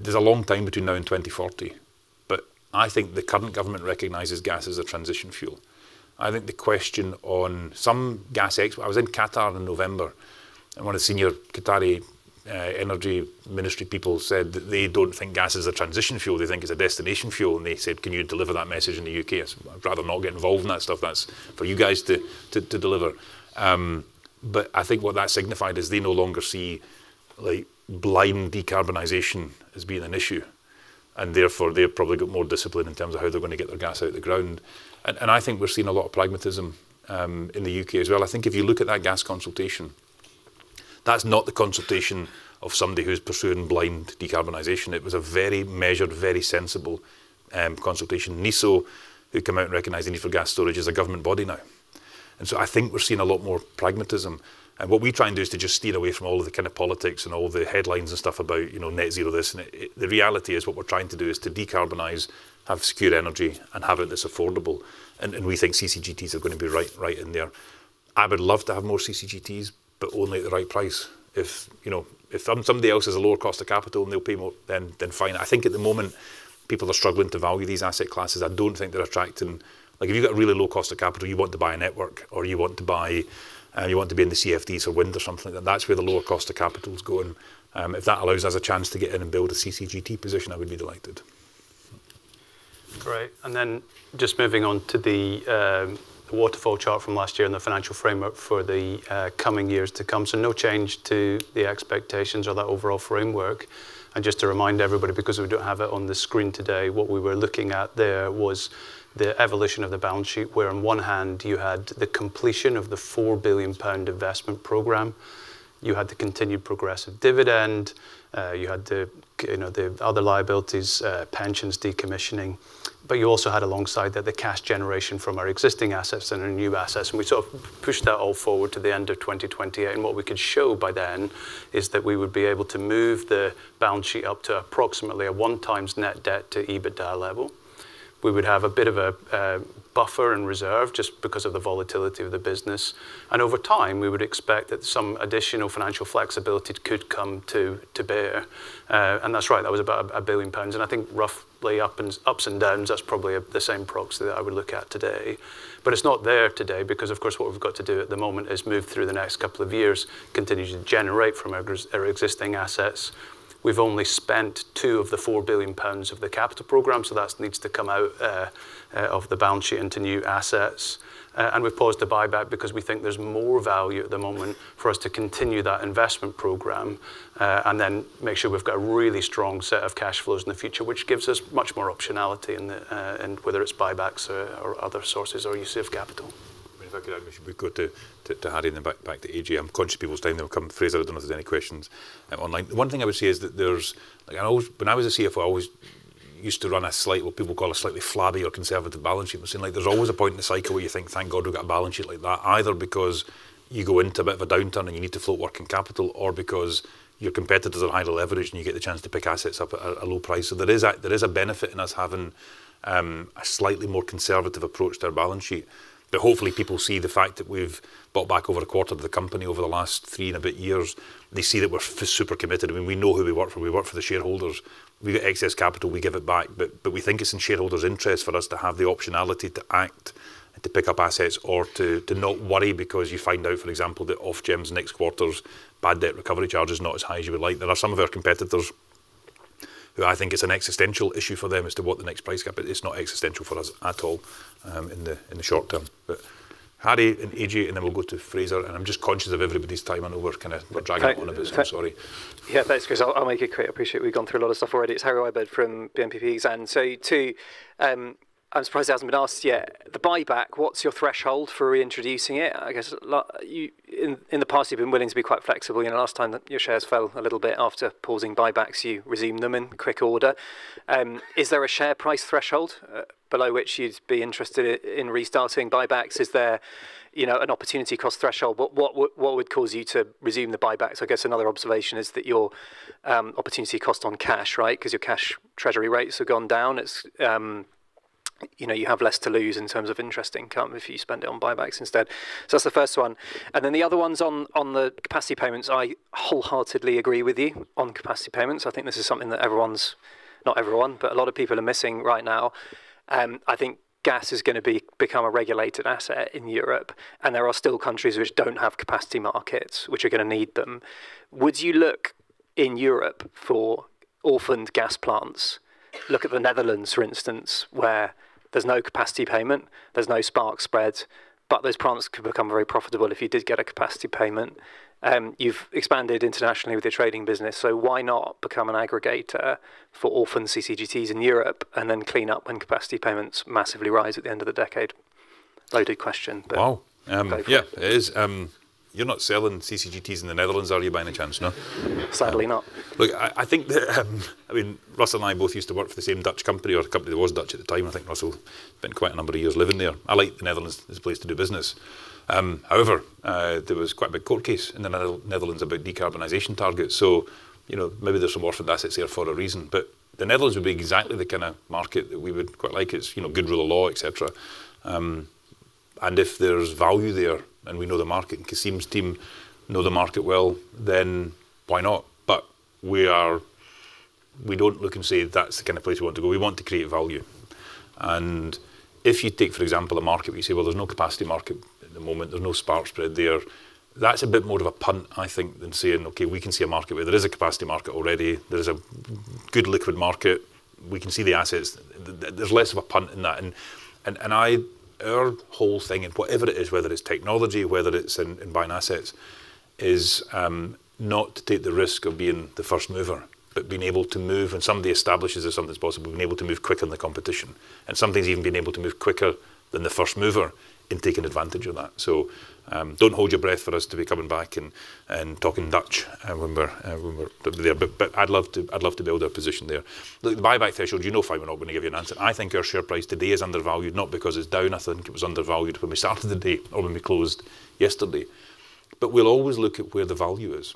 there's a long time between now and 2040, but I think the current government recognizes gas as a transition fuel. I think the question on some gas ex- I was in Qatar in November, and one of the senior Qatari energy ministry people said that they don't think gas is a transition fuel, they think it's a destination fuel, and they said, "Can you deliver that message in the U.K.?" I said, "I'd rather not get involved in that stuff. That's for you guys to deliver. But I think what that signified is they no longer see, like, blind decarbonization as being an issue, and therefore, they've probably got more discipline in terms of how they're going to get their gas out of the ground. And I think we're seeing a lot of pragmatism in the U.K. as well. I think if you look at that gas consultation, that's not the consultation of somebody who's pursuing blind decarbonization. It was a very measured, very sensible consultation. NESO, who come out and recognize the need for gas storage, is a government body now. And so I think we're seeing a lot more pragmatism. And what we try and do is to just steer away from all of the kind of politics and all the headlines and stuff about, you know, net zero this. The reality is, what we're trying to do is to decarbonize, have secure energy, and have it that's affordable, and we think CCGTs are going to be right in there. I would love to have more CCGTs, but only at the right price. If you know, if somebody else has a lower cost of capital and they'll pay more, then fine. I think at the moment, people are struggling to value these asset classes. I don't think they're attracting... Like, if you've got a really low cost of capital, you want to buy a network, or you want to buy, you want to be in the CFDs or wind or something, then that's where the lower cost of capital is going. If that allows us a chance to get in and build a CCGT position, I would be delighted. Great. And then just moving on to the waterfall chart from last year and the financial framework for the coming years to come. So no change to the expectations or the overall framework. And just to remind everybody, because we don't have it on the screen today, what we were looking at there was the evolution of the balance sheet, where on one hand, you had the completion of the 4 billion pound investment program, you had the continued progressive dividend, you had the, you know, the other liabilities, pensions, decommissioning, but you also had alongside that, the cash generation from our existing assets and our new assets. We sort of pushed that all forward to the end of 2028, and what we could show by then is that we would be able to move the balance sheet up to approximately a 1x net debt to EBITDA level. We would have a bit of a buffer and reserve just because of the volatility of the business. Over time, we would expect that some additional financial flexibility could come to bear. And that's right, that was about 1 billion pounds. I think roughly ups and downs, that's probably the same proxy that I would look at today. But it's not there today because, of course, what we've got to do at the moment is move through the next couple of years, continue to generate from our existing assets. We've only spent 2 of the 4 billion pounds of the capital program, so that needs to come out of the balance sheet into new assets. And we've paused the buyback because we think there's more value at the moment for us to continue that investment program, and then make sure we've got a really strong set of cash flows in the future, which gives us much more optionality in the in whether it's buybacks or other sources or use of capital. If I could, we go to Harry and then back to Ajay. I'm conscious of people's time. They'll come Fraser, I don't know if there's any questions online. One thing I would say is that there's like, I always when I was a CFO, I always used to run a slight, what people call a slightly flabby or conservative balance sheet. But seeing like there's always a point in the cycle where you think, "Thank God, we've got a balance sheet like that." Either because you go into a bit of a downturn, and you need to float working capital, or because your competitors are highly leveraged, and you get the chance to pick assets up at a low price. So there is a benefit in us having a slightly more conservative approach to our balance sheet. But hopefully, people see the fact that we've bought back over a quarter of the company over the last three and a bit years. They see that we're super committed. I mean, we know who we work for. We work for the shareholders. We get excess capital, we give it back. But we think it's in shareholders' interest for us to have the optionality to act and to pick up assets or to not worry because you find out, for example, that Ofgem's next quarter's bad debt recovery charge is not as high as you would like. There are some of our competitors who I think it's an existential issue for them as to what the next price cap, but it's not existential for us at all, in the short term. But Harry and Ajay., and then we'll go to Fraser, and I'm just conscious of everybody's time. I know we're kinda, we're dragging on a bit. I'm sorry. Yeah, thanks, Chris. I'll make it quick. I appreciate we've gone through a lot of stuff already. It's Harry Wyburd from BNP Paribas. And so two, I'm surprised it hasn't been asked yet. The buyback, what's your threshold for reintroducing it? I guess, like, you, in, in the past, you've been willing to be quite flexible. You know, last time that your shares fell a little bit after pausing buybacks, you resumed them in quick order. Is there a share price threshold, below which you'd be interested in, in restarting buybacks? Is there, you know, an opportunity cost threshold? What, what, what would cause you to resume the buybacks? I guess another observation is that your, opportunity cost on cash, right? Because your cash treasury rates have gone down. It's, you know, you have less to lose in terms of interest income if you spend it on buybacks instead. So that's the first one. And then the other one's on the capacity payments. I wholeheartedly agree with you on capacity payments. I think this is something that everyone's, not everyone, but a lot of people are missing right now. I think gas is gonna become a regulated asset in Europe, and there are still countries which don't have capacity markets, which are gonna need them. Would you look in Europe for orphaned gas plants? Look at the Netherlands, for instance, where there's no capacity payment, there's no spark spread, but those plants could become very profitable if you did get a capacity payment. You've expanded internationally with your trading business, so why not become an aggregator for orphaned CCGTs in Europe and then clean up when capacity payments massively rise at the end of the decade? Loaded question, but- Wow. Yeah. It is. You're not selling CCGTs in the Netherlands, are you, by any chance, no? Sadly, not. Look, I think that, I mean, Russell and I both used to work for the same Dutch company or a company that was Dutch at the time. I think Russell spent quite a number of years living there. I like the Netherlands as a place to do business. However, there was quite a big court case in the Netherlands about decarbonization targets. So, you know, maybe there's some orphaned assets there for a reason, but the Netherlands would be exactly the kind of market that we would quite like. It's, you know, good rule of law, et cetera. And if there's value there, and we know the market, and Kasim's team know the market well, then why not? But we are-- We don't look and say that's the kind of place we want to go. We want to create value. If you take, for example, a market, we say, well, there's no capacity market at the moment. There's no spark spread there. That's a bit more of a punt, I think, than saying, "Okay, we can see a market where there is a capacity market already. There is a good liquid market." We can see the assets, there's less of a punt in that. And our whole thing in whatever it is, whether it's technology, whether it's in buying assets, is not to take the risk of being the first mover, but being able to move when somebody establishes that something's possible, being able to move quicker than the competition, and sometimes even being able to move quicker than the first mover in taking advantage of that. So, don't hold your breath for us to be coming back and talking Dutch when we're there. But I'd love to build a position there. The buyback threshold, you know, fine we're not gonna give you an answer. I think our share price today is undervalued, not because it's down. I think it was undervalued when we started the day or when we closed yesterday. But we'll always look at where the value is,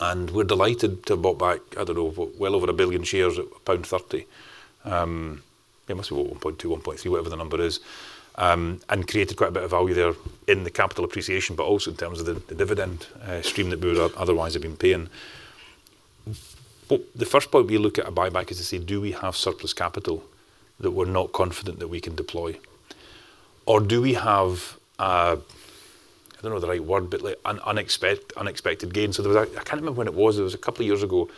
and we're delighted to have bought back well over a billion shares at pound 1.30. It must be what, 1.2, 1.3, whatever the number is, and created quite a bit of value there in the capital appreciation, but also in terms of the dividend stream that we would otherwise have been paying. But the first point we look at a buyback is to say, do we have surplus capital that we're not confident that we can deploy? Or do we have, I don't know the right word, but like an unexpected gain. So there was I can't remember when it was, it was a couple of years ago,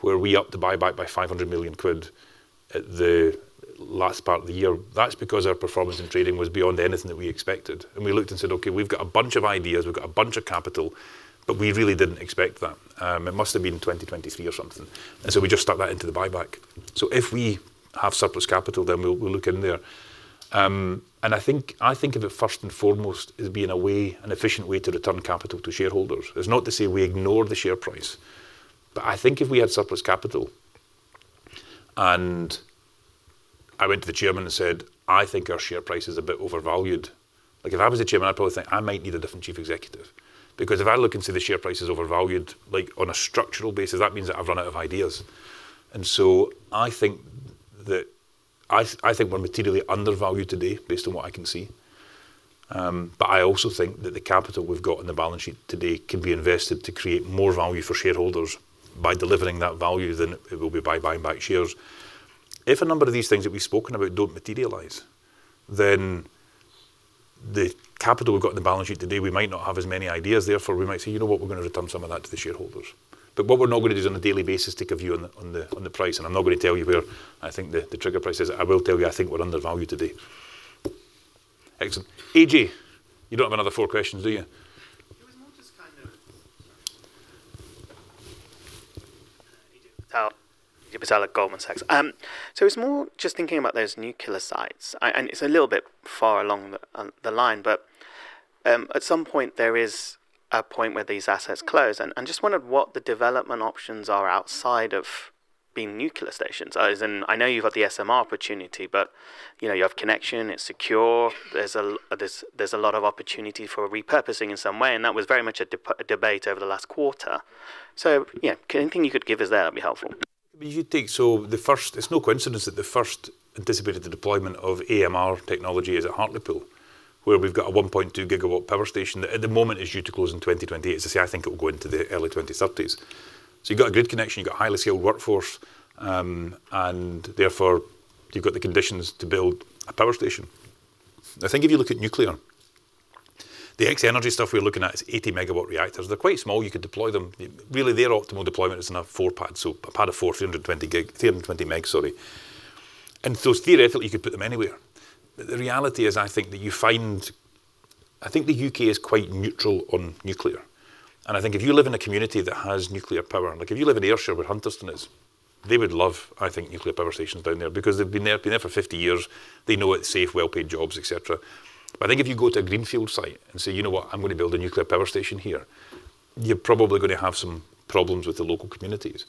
where we upped the buyback by 500 million quid at the last part of the year. That's because our performance in trading was beyond anything that we expected, and we looked and said, "Okay, we've got a bunch of ideas, we've got a bunch of capital, but we really didn't expect that." It must have been 2023 or something, and so we just stuck that into the buyback. So if we have surplus capital, then we'll, we'll look in there. And I think, I think of it first and foremost as being a way, an efficient way to return capital to shareholders. It's not to say we ignore the share price, but I think if we had surplus capital and I went to the chairman and said, "I think our share price is a bit overvalued," like, if I was the chairman, I'd probably think I might need a different chief executive because if I look and see the share price is overvalued, like on a structural basis, that means that I've run out of ideas. And so I think that... I, I think we're materially undervalued today based on what I can see. But I also think that the capital we've got on the balance sheet today can be invested to create more value for shareholders by delivering that value than it will be by buying back shares. If a number of these things that we've spoken about don't materialize, then the capital we've got in the balance sheet today, we might not have as many ideas, therefore, we might say, "You know what? We're gonna return some of that to the shareholders." But what we're not gonna do is on a daily basis, take a view on the price, and I'm not gonna tell you where I think the trigger price is. I will tell you, I think we're undervalued today. Excellent. Ajay, you don't have another four questions, do you? It was more just kind of Ajay Patel at Goldman Sachs. So it's more just thinking about those nuclear sites, and it's a little bit far along the line, but at some point, there is a point where these assets close. And just wondered what the development options are outside of being nuclear stations. As in, I know you've got the SMR opportunity, but you know, you have connection, it's secure, there's a lot of opportunity for repurposing in some way, and that was very much a debate over the last quarter. So yeah, anything you could give us there, that'd be helpful. You'd think so. It's no coincidence that the first anticipated deployment of AMR technology is at Hartlepool, where we've got a 1.2-gigawatt power station that at the moment is due to close in 2028. As I say, I think it will go into the early 2030s. So you've got a good connection, you've got a highly skilled workforce, and therefore, you've got the conditions to build a power station. I think if you look at nuclear, the X-energy stuff we're looking at is 80-megawatt reactors. They're quite small, you could deploy them. Really, their optimal deployment is in a 4-pack, so a pack of four, 320 gig, 320 megs, sorry. And so theoretically, you could put them anywhere. But the reality is, I think that you find... I think the U.K. is quite neutral on nuclear, and I think if you live in a community that has nuclear power, like if you live in Ayrshire, where Hunterston is, they would love, I think, nuclear power stations down there because they've been there, been there for 50 years. They know it's safe, well-paid jobs, et cetera. But I think if you go to a greenfield site and say, "You know what? I'm gonna build a nuclear power station here," you're probably gonna have some problems with the local communities.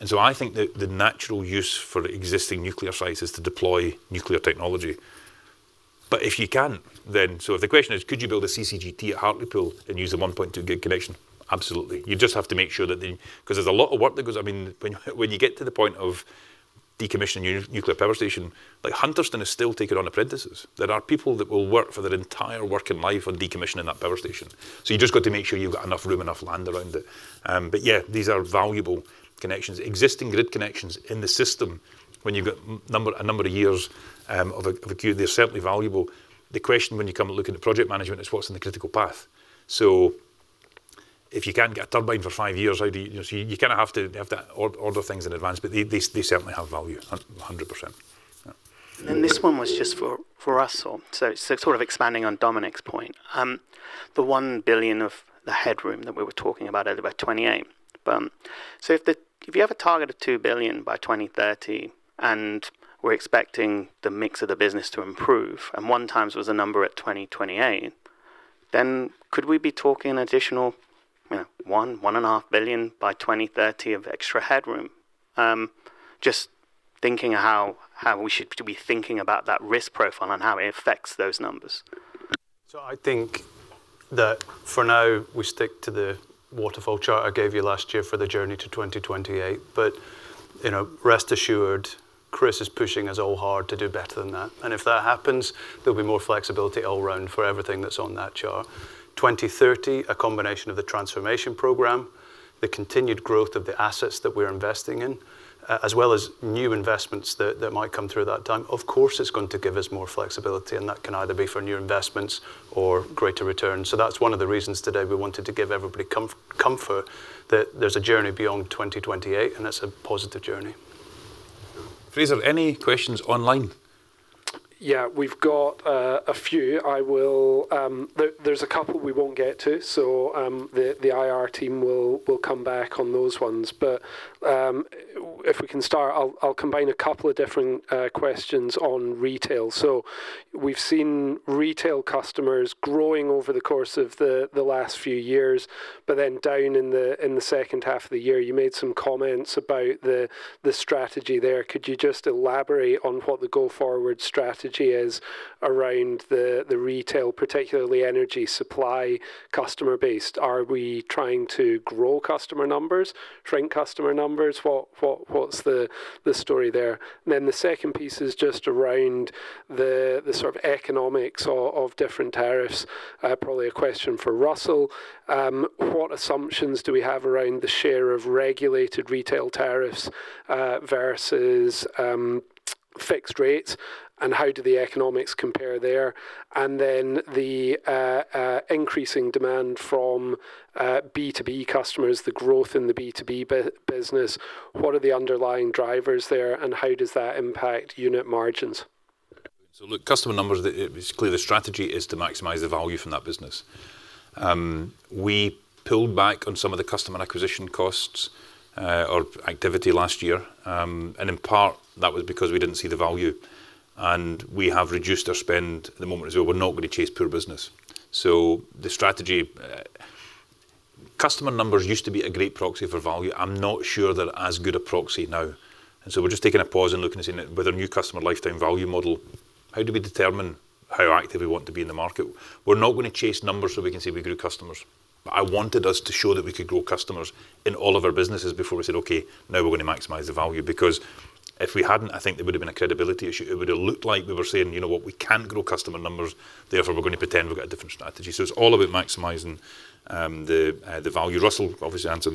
And so I think that the natural use for existing nuclear sites is to deploy nuclear technology. But if you can't, then... So if the question is, could you build a CCGT at Hartlepool and use the 1.2 gig connection? Absolutely. You just have to make sure that the... 'Cause there's a lot of work that goes. I mean, when you, when you get to the point of decommissioning your nuclear power station, like Hunterston is still taking on apprentices. There are people that will work for their entire working life on decommissioning that power station. So you just got to make sure you've got enough room, enough land around it. But yeah, these are valuable connections. Existing grid connections in the system, when you've got number, a number of years, of a, of acute, they're certainly valuable. The question when you come and look at the project management is what's in the critical path? So if you can't get a turbine for five years, how do you... You kind of have to, have to order things in advance, but they, they, they certainly have value, hundred percent. This one was just for Russell. So sort of expanding on Dominic's point, the 1 billion of the headroom that we were talking about earlier, by 2028. So if you have a target of 2 billion by 2030, and we're expecting the mix of the business to improve, and 1x was a number at 2028, then could we be talking an additional, you know, 1 billion-1.5 billion by 2030 of extra headroom? Just thinking how we should be thinking about that risk profile and how it affects those numbers. So I think that for now, we stick to the waterfall chart I gave you last year for the journey to 2028. But, you know, rest assured, Chris is pushing us all hard to do better than that, and if that happens, there'll be more flexibility all around for everything that's on that chart. 2030, a combination of the transformation program, the continued growth of the assets that we're investing in, as well as new investments that might come through that time. Of course, it's going to give us more flexibility, and that can either be for new investments or greater returns. So that's one of the reasons today we wanted to give everybody comfort that there's a journey beyond 2028, and it's a positive journey. Fraser, any questions online? Yeah, we've got a few. I will, there, there's a couple we won't get to, so, the IR team will come back on those ones. But, if we can start, I'll combine a couple of different questions on retail. So we've seen retail customers growing over the course of the last few years, but then down in the second half of the year, you made some comments about the strategy there. Could you just elaborate on what the go-forward strategy is around the retail, particularly energy supply customer base? Are we trying to grow customer numbers, shrink customer numbers? What, what's the story there? Then the second piece is just around the sort of economics of different tariffs. Probably a question for Russell. What assumptions do we have around the share of regulated retail tariffs versus fixed rates? And then the increasing demand from B2B customers, the growth in the B2B business, what are the underlying drivers there, and how does that impact unit margins? So look, customer numbers, it's clear the strategy is to maximize the value from that business. We pulled back on some of the customer acquisition costs or activity last year, and in part, that was because we didn't see the value, and we have reduced our spend at the moment as well. We're not going to chase poor business. So the strategy... Customer numbers used to be a great proxy for value. I'm not sure they're as good a proxy now. And so we're just taking a pause and looking and saying, "With our new customer lifetime value model, how do we determine how active we want to be in the market?" We're not gonna chase numbers so we can say we grew customers. But I wanted us to show that we could grow customers in all of our businesses before we said, "Okay, now we're going to maximize the value." Because if we hadn't, I think there would have been a credibility issue. It would have looked like we were saying, "You know what? We can't grow customer numbers, therefore, we're going to pretend we've got a different strategy." So it's all about maximizing the value. Russell will obviously answer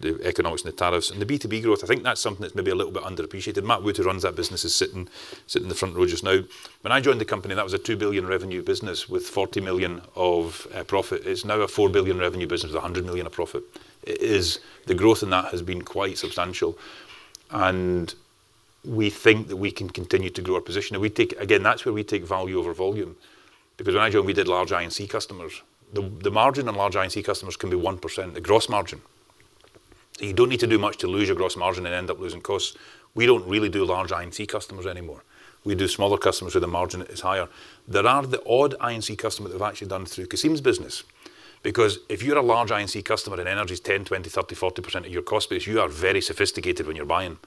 the economics and the tariffs. And the B2B growth, I think that's something that's maybe a little bit underappreciated. Matt Wood, who runs that business, is sitting in the front row just now. When I joined the company, that was a 2 billion revenue business with 40 million of profit. It's now a 4 billion revenue business with 100 million of profit. It is the growth in that has been quite substantial, and we think that we can continue to grow our position. And we take... Again, that's where we take value over volume, because when I joined, we did large I&C customers. The margin on large I&C customers can be 1%, the gross margin. You don't need to do much to lose your gross margin and end up losing costs. We don't really do large I&C customers anymore. We do smaller customers where the margin is higher. There are the odd I&C customer that have actually done through Cassim's business. Because if you're a large I&C customer, and energy is 10%, 20%, 30%, 40% of your cost base, you are very sophisticated when you're buying.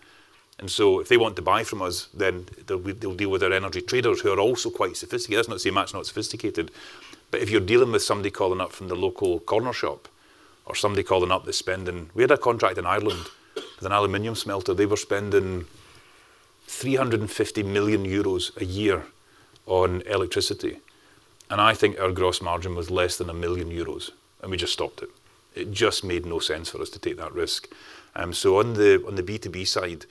And so if they want to buy from us, then they'll deal with our energy traders, who are also quite sophisticated. That's not to say Matt's not sophisticated, but if you're dealing with somebody calling up from the local corner shop or somebody calling up, they're spending. We had a contract in Ireland with an aluminum smelter. They were spending 350 million euros a year on electricity, and I think our gross margin was less than 1 million euros, and we just stopped it. It just made no sense for us to take that risk. So on the B2B side,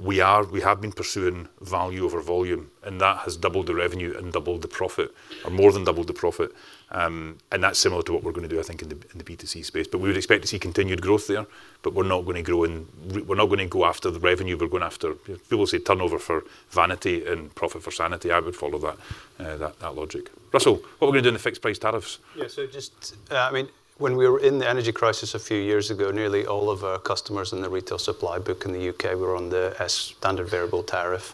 we have been pursuing value over volume, and that has doubled the revenue and doubled the profit, or more than doubled the profit. And that's similar to what we're going to do, I think, in the B2C space. But we would expect to see continued growth there, but we're not going to grow in... We're not going to go after the revenue. We're going after, people say, turnover for vanity and profit for sanity. I would follow that logic. Russell, what are we going to do in the fixed price tariffs? Yeah. So just, I mean, when we were in the energy crisis a few years ago, nearly all of our customers in the retail supply book in the UK were on the standard variable tariff.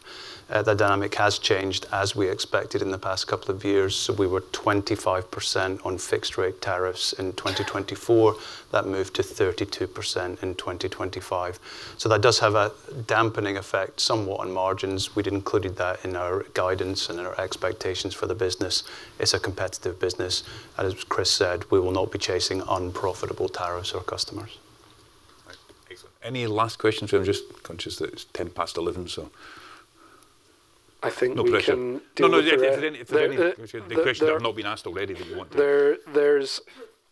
The dynamic has changed as we expected in the past couple of years. So we were 25% on fixed-rate tariffs in 2024. That moved to 32% in 2025. So that does have a dampening effect somewhat on margins. We'd included that in our guidance and our expectations for the business. It's a competitive business, and as Chris said, we will not be chasing unprofitable tariffs or customers. Excellent. Any last questions? I'm just conscious that it's 11:10 A.M., so- I think we can- No pressure. Deal with the- No, no, if there's any questions that have not been asked already that you want to- There's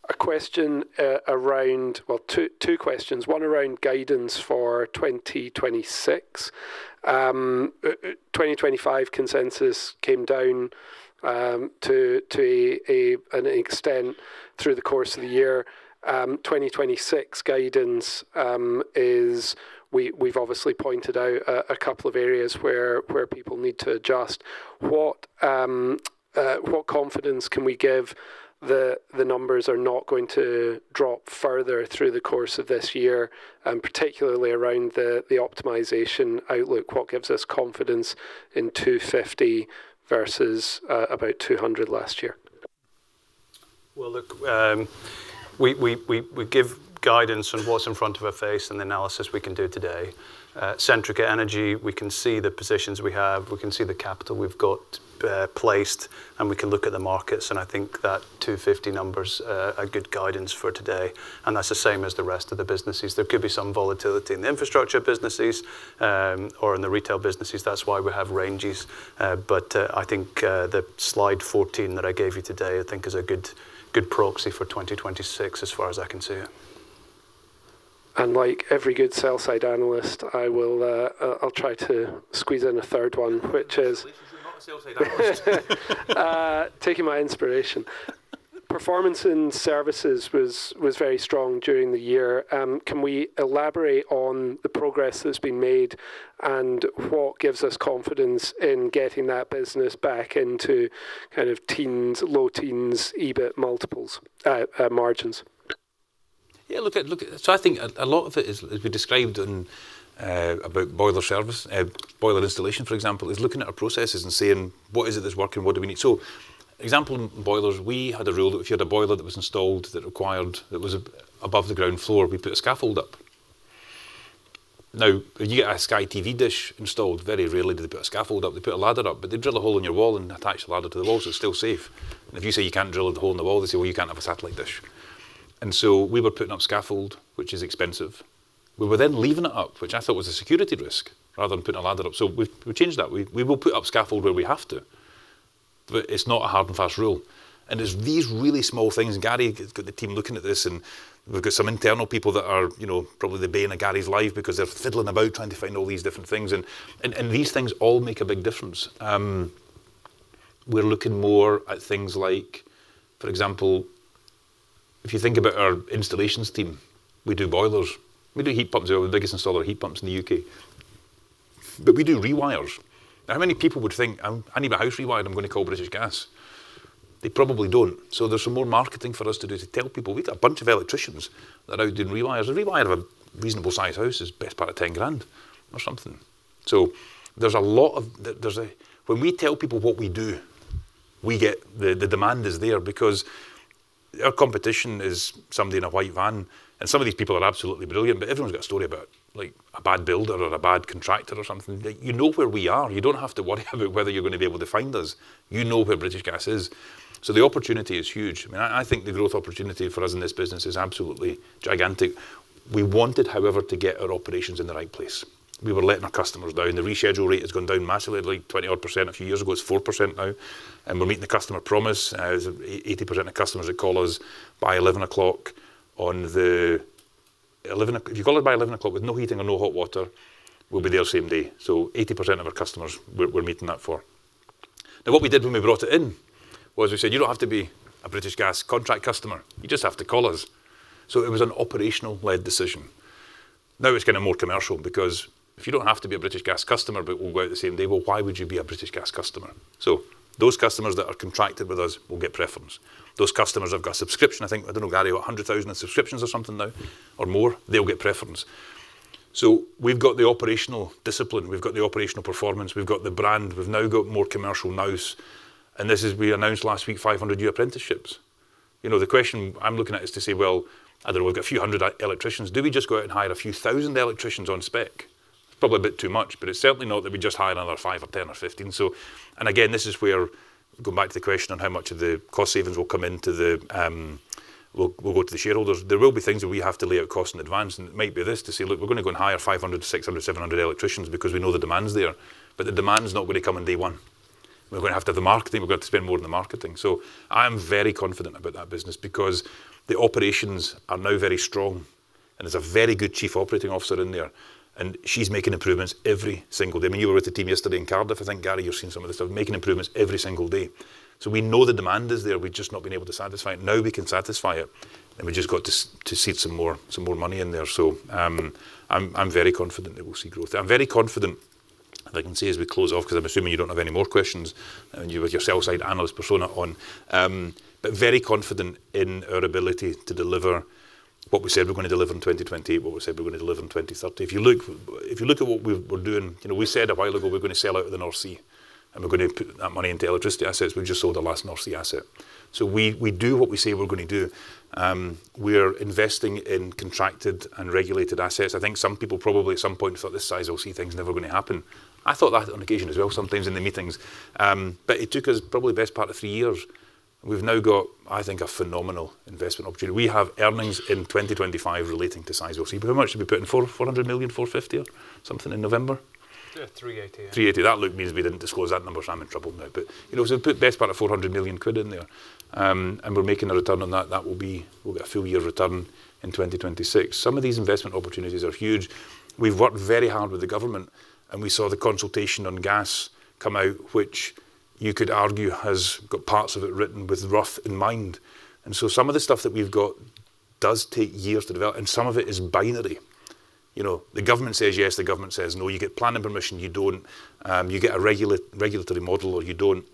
a question around two questions. One around guidance for 2026. 2025 consensus came down to an extent through the course of the year. 2026 guidance is we've obviously pointed out a couple of areas where people need to adjust. What confidence can we give that the numbers are not going to drop further through the course of this year, and particularly around the optimization outlook? What gives us confidence in 250 versus about 200 last year? Well, look, we give guidance on what's in front of our face and the analysis we can do today. Centrica Energy, we can see the positions we have, we can see the capital we've got, placed, and we can look at the markets, and I think that 250 number's a good guidance for today, and that's the same as the rest of the businesses. There could be some volatility in the infrastructure businesses, or in the retail businesses. That's why we have ranges. But, I think, the slide 14 that I gave you today, I think is a good, good proxy for 2026, as far as I can see. Like every good sell-side analyst, I will, I'll try to squeeze in a third one, which is- You're not a sell-side analyst. Taking my inspiration. Performance in services was very strong during the year. Can we elaborate on the progress that's been made and what gives us confidence in getting that business back into kind of teens, low teens, EBIT multiples, margins? Yeah, look at. So I think a lot of it is, as we described in, about boiler service, boiler installation, for example, is looking at our processes and seeing what is it that's working, what do we need? So example, in boilers, we had a rule that if you had a boiler that was installed, that was above the ground floor, we'd put a scaffold up. Now, if you get a Sky TV dish installed, very rarely do they put a scaffold up. They put a ladder up, but they drill a hole in your wall and attach the ladder to the wall, so it's still safe. And if you say you can't drill a hole in the wall, they say, "Well, you can't have a satellite dish." And so we were putting up scaffold, which is expensive. We were then leaving it up, which I thought was a security risk, rather than putting a ladder up. So we changed that. We will put up scaffold where we have to, but it's not a hard and fast rule. And it's these really small things, and Gary has got the team looking at this, and we've got some internal people that are, you know, probably the bane of Gary's life because they're fiddling about trying to find all these different things, and these things all make a big difference. We're looking more at things like, for example, if you think about our installations team, we do boilers, we do heat pumps. We're the biggest installer of heat pumps in the U.K. But we do rewires. Now, how many people would think, "I need my house rewired, I'm gonna call British Gas"? They probably don't. So there's some more marketing for us to do to tell people we've got a bunch of electricians that are out doing rewires. A rewire of a reasonable size house is best part of 10,000 or something. So there's a lot of... when we tell people what we do, we get... The demand is there because our competition is somebody in a white van, and some of these people are absolutely brilliant, but everyone's got a story about, like, a bad builder or a bad contractor or something. You know where we are. You don't have to worry about whether you're gonna be able to find us. You know where British Gas is. So the opportunity is huge. I mean, I think the growth opportunity for us in this business is absolutely gigantic. We wanted, however, to get our operations in the right place. We were letting our customers down. The reschedule rate has gone down massively, like 20-odd% a few years ago. It's 4% now, and we're meeting the customer promise. 80% of customers that call us by 11:00. If you call us by 11:00 with no heating or no hot water, we'll be there same day. So 80% of our customers, we're meeting that for. Now, what we did when we brought it in was we said, "You don't have to be a British Gas contract customer. You just have to call us." So it was an operational-led decision. Now, it's getting more commercial because if you don't have to be a British Gas customer, but we'll go out the same day, well, why would you be a British Gas customer? So those customers that are contracted with us will get preference. Those customers that have got a subscription, I think, I don't know, Gary, what, 100,000 subscriptions or something now, or more? They'll get preference. So we've got the operational discipline, we've got the operational performance, we've got the brand, we've now got more commercial nous, and this is... We announced last week 500 new apprenticeships. You know, the question I'm looking at is to say, well, either we've got a few hundred electricians, do we just go out and hire a few thousand electricians on spec? Probably a bit too much, but it's certainly not that we just hire another 5 or 10 or 15. So, and again, this is where, going back to the question on how much of the cost savings will come into the, will, will go to the shareholders. There will be things that we have to lay out cost in advance, and it might be this, to say, "Look, we're gonna go and hire 500, 600, 700 electricians because we know the demand's there," but the demand is not gonna come on day one. We're gonna have to do the marketing. We've got to spend more on the marketing. So I'm very confident about that business because the operations are now very strong, and there's a very good chief operating officer in there, and she's making improvements every single day. I mean, you were with the team yesterday in Cardiff. I think, Gary, you've seen some of this stuff, making improvements every single day. So we know the demand is there. We've just not been able to satisfy it. Now, we can satisfy it, and we just got to to seed some more, some more money in there. So, I'm, I'm very confident that we'll see growth. I'm very confident, and I can say as we close off, 'cause I'm assuming you don't have any more questions and you've got your sell-side analyst persona on, but very confident in our ability to deliver what we said we're gonna deliver in 2028, what we said we're gonna deliver in 2030. If you look, if you look at what we've-- we're doing, you know, we said a while ago, we're gonna sell out to the North Sea, and we're gonna put that money into electricity assets. We've just sold our last North Sea asset. So we, we do what we say we're gonna do. We're investing in contracted and regulated assets. I think some people probably at some point thought this Sizewell C thing's never gonna happen. I thought that on occasion as well, sometimes in the meetings, but it took us probably the best part of three years. We've now got, I think, a phenomenal investment opportunity. We have earnings in 2025 relating to Sizewell C. How much are we putting? 400 million, 450 or something in November? Yeah, 380. 380. That look means we didn't disclose that number, so I'm in trouble now, but, you know, so we put best part of 400 million quid in there, and we're making a return on that. That will be, we'll get a full year return in 2026. Some of these investment opportunities are huge. We've worked very hard with the government, and we saw the consultation on gas come out, which you could argue has got parts of it written with Rough in mind. And so some of the stuff that we've got does take years to develop, and some of it is binary. You know, the government says yes, the government says no. You get planning permission, you don't. You get a regulatory model, or you don't.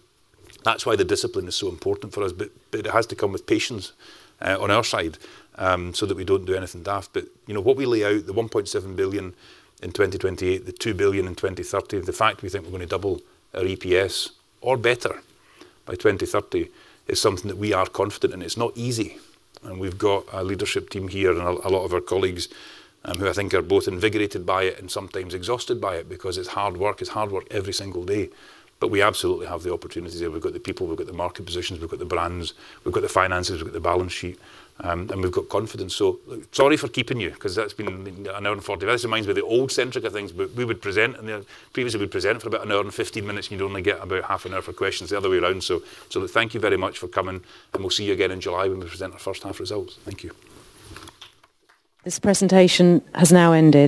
That's why the discipline is so important for us, but it has to come with patience on our side so that we don't do anything daft. But, you know what? We lay out the 1.7 billion in 2028, the 2 billion in 2030. The fact we think we're gonna double our EPS or better by 2030 is something that we are confident in. It's not easy, and we've got a leadership team here and a lot of our colleagues who I think are both invigorated by it and sometimes exhausted by it because it's hard work. It's hard work every single day, but we absolutely have the opportunities there. We've got the people, we've got the market positions, we've got the brands, we've got the finances, we've got the balance sheet, and we've got confidence. So sorry for keeping you, 'cause that's been an hour and 40. This reminds me of the old Centrica things, but we would present, and then previously, we'd present for about an hour and 15 minutes, and you'd only get about half an hour for questions the other way around. So, so thank you very much for coming, and we'll see you again in July when we present our first half results. Thank you. This presentation has now ended.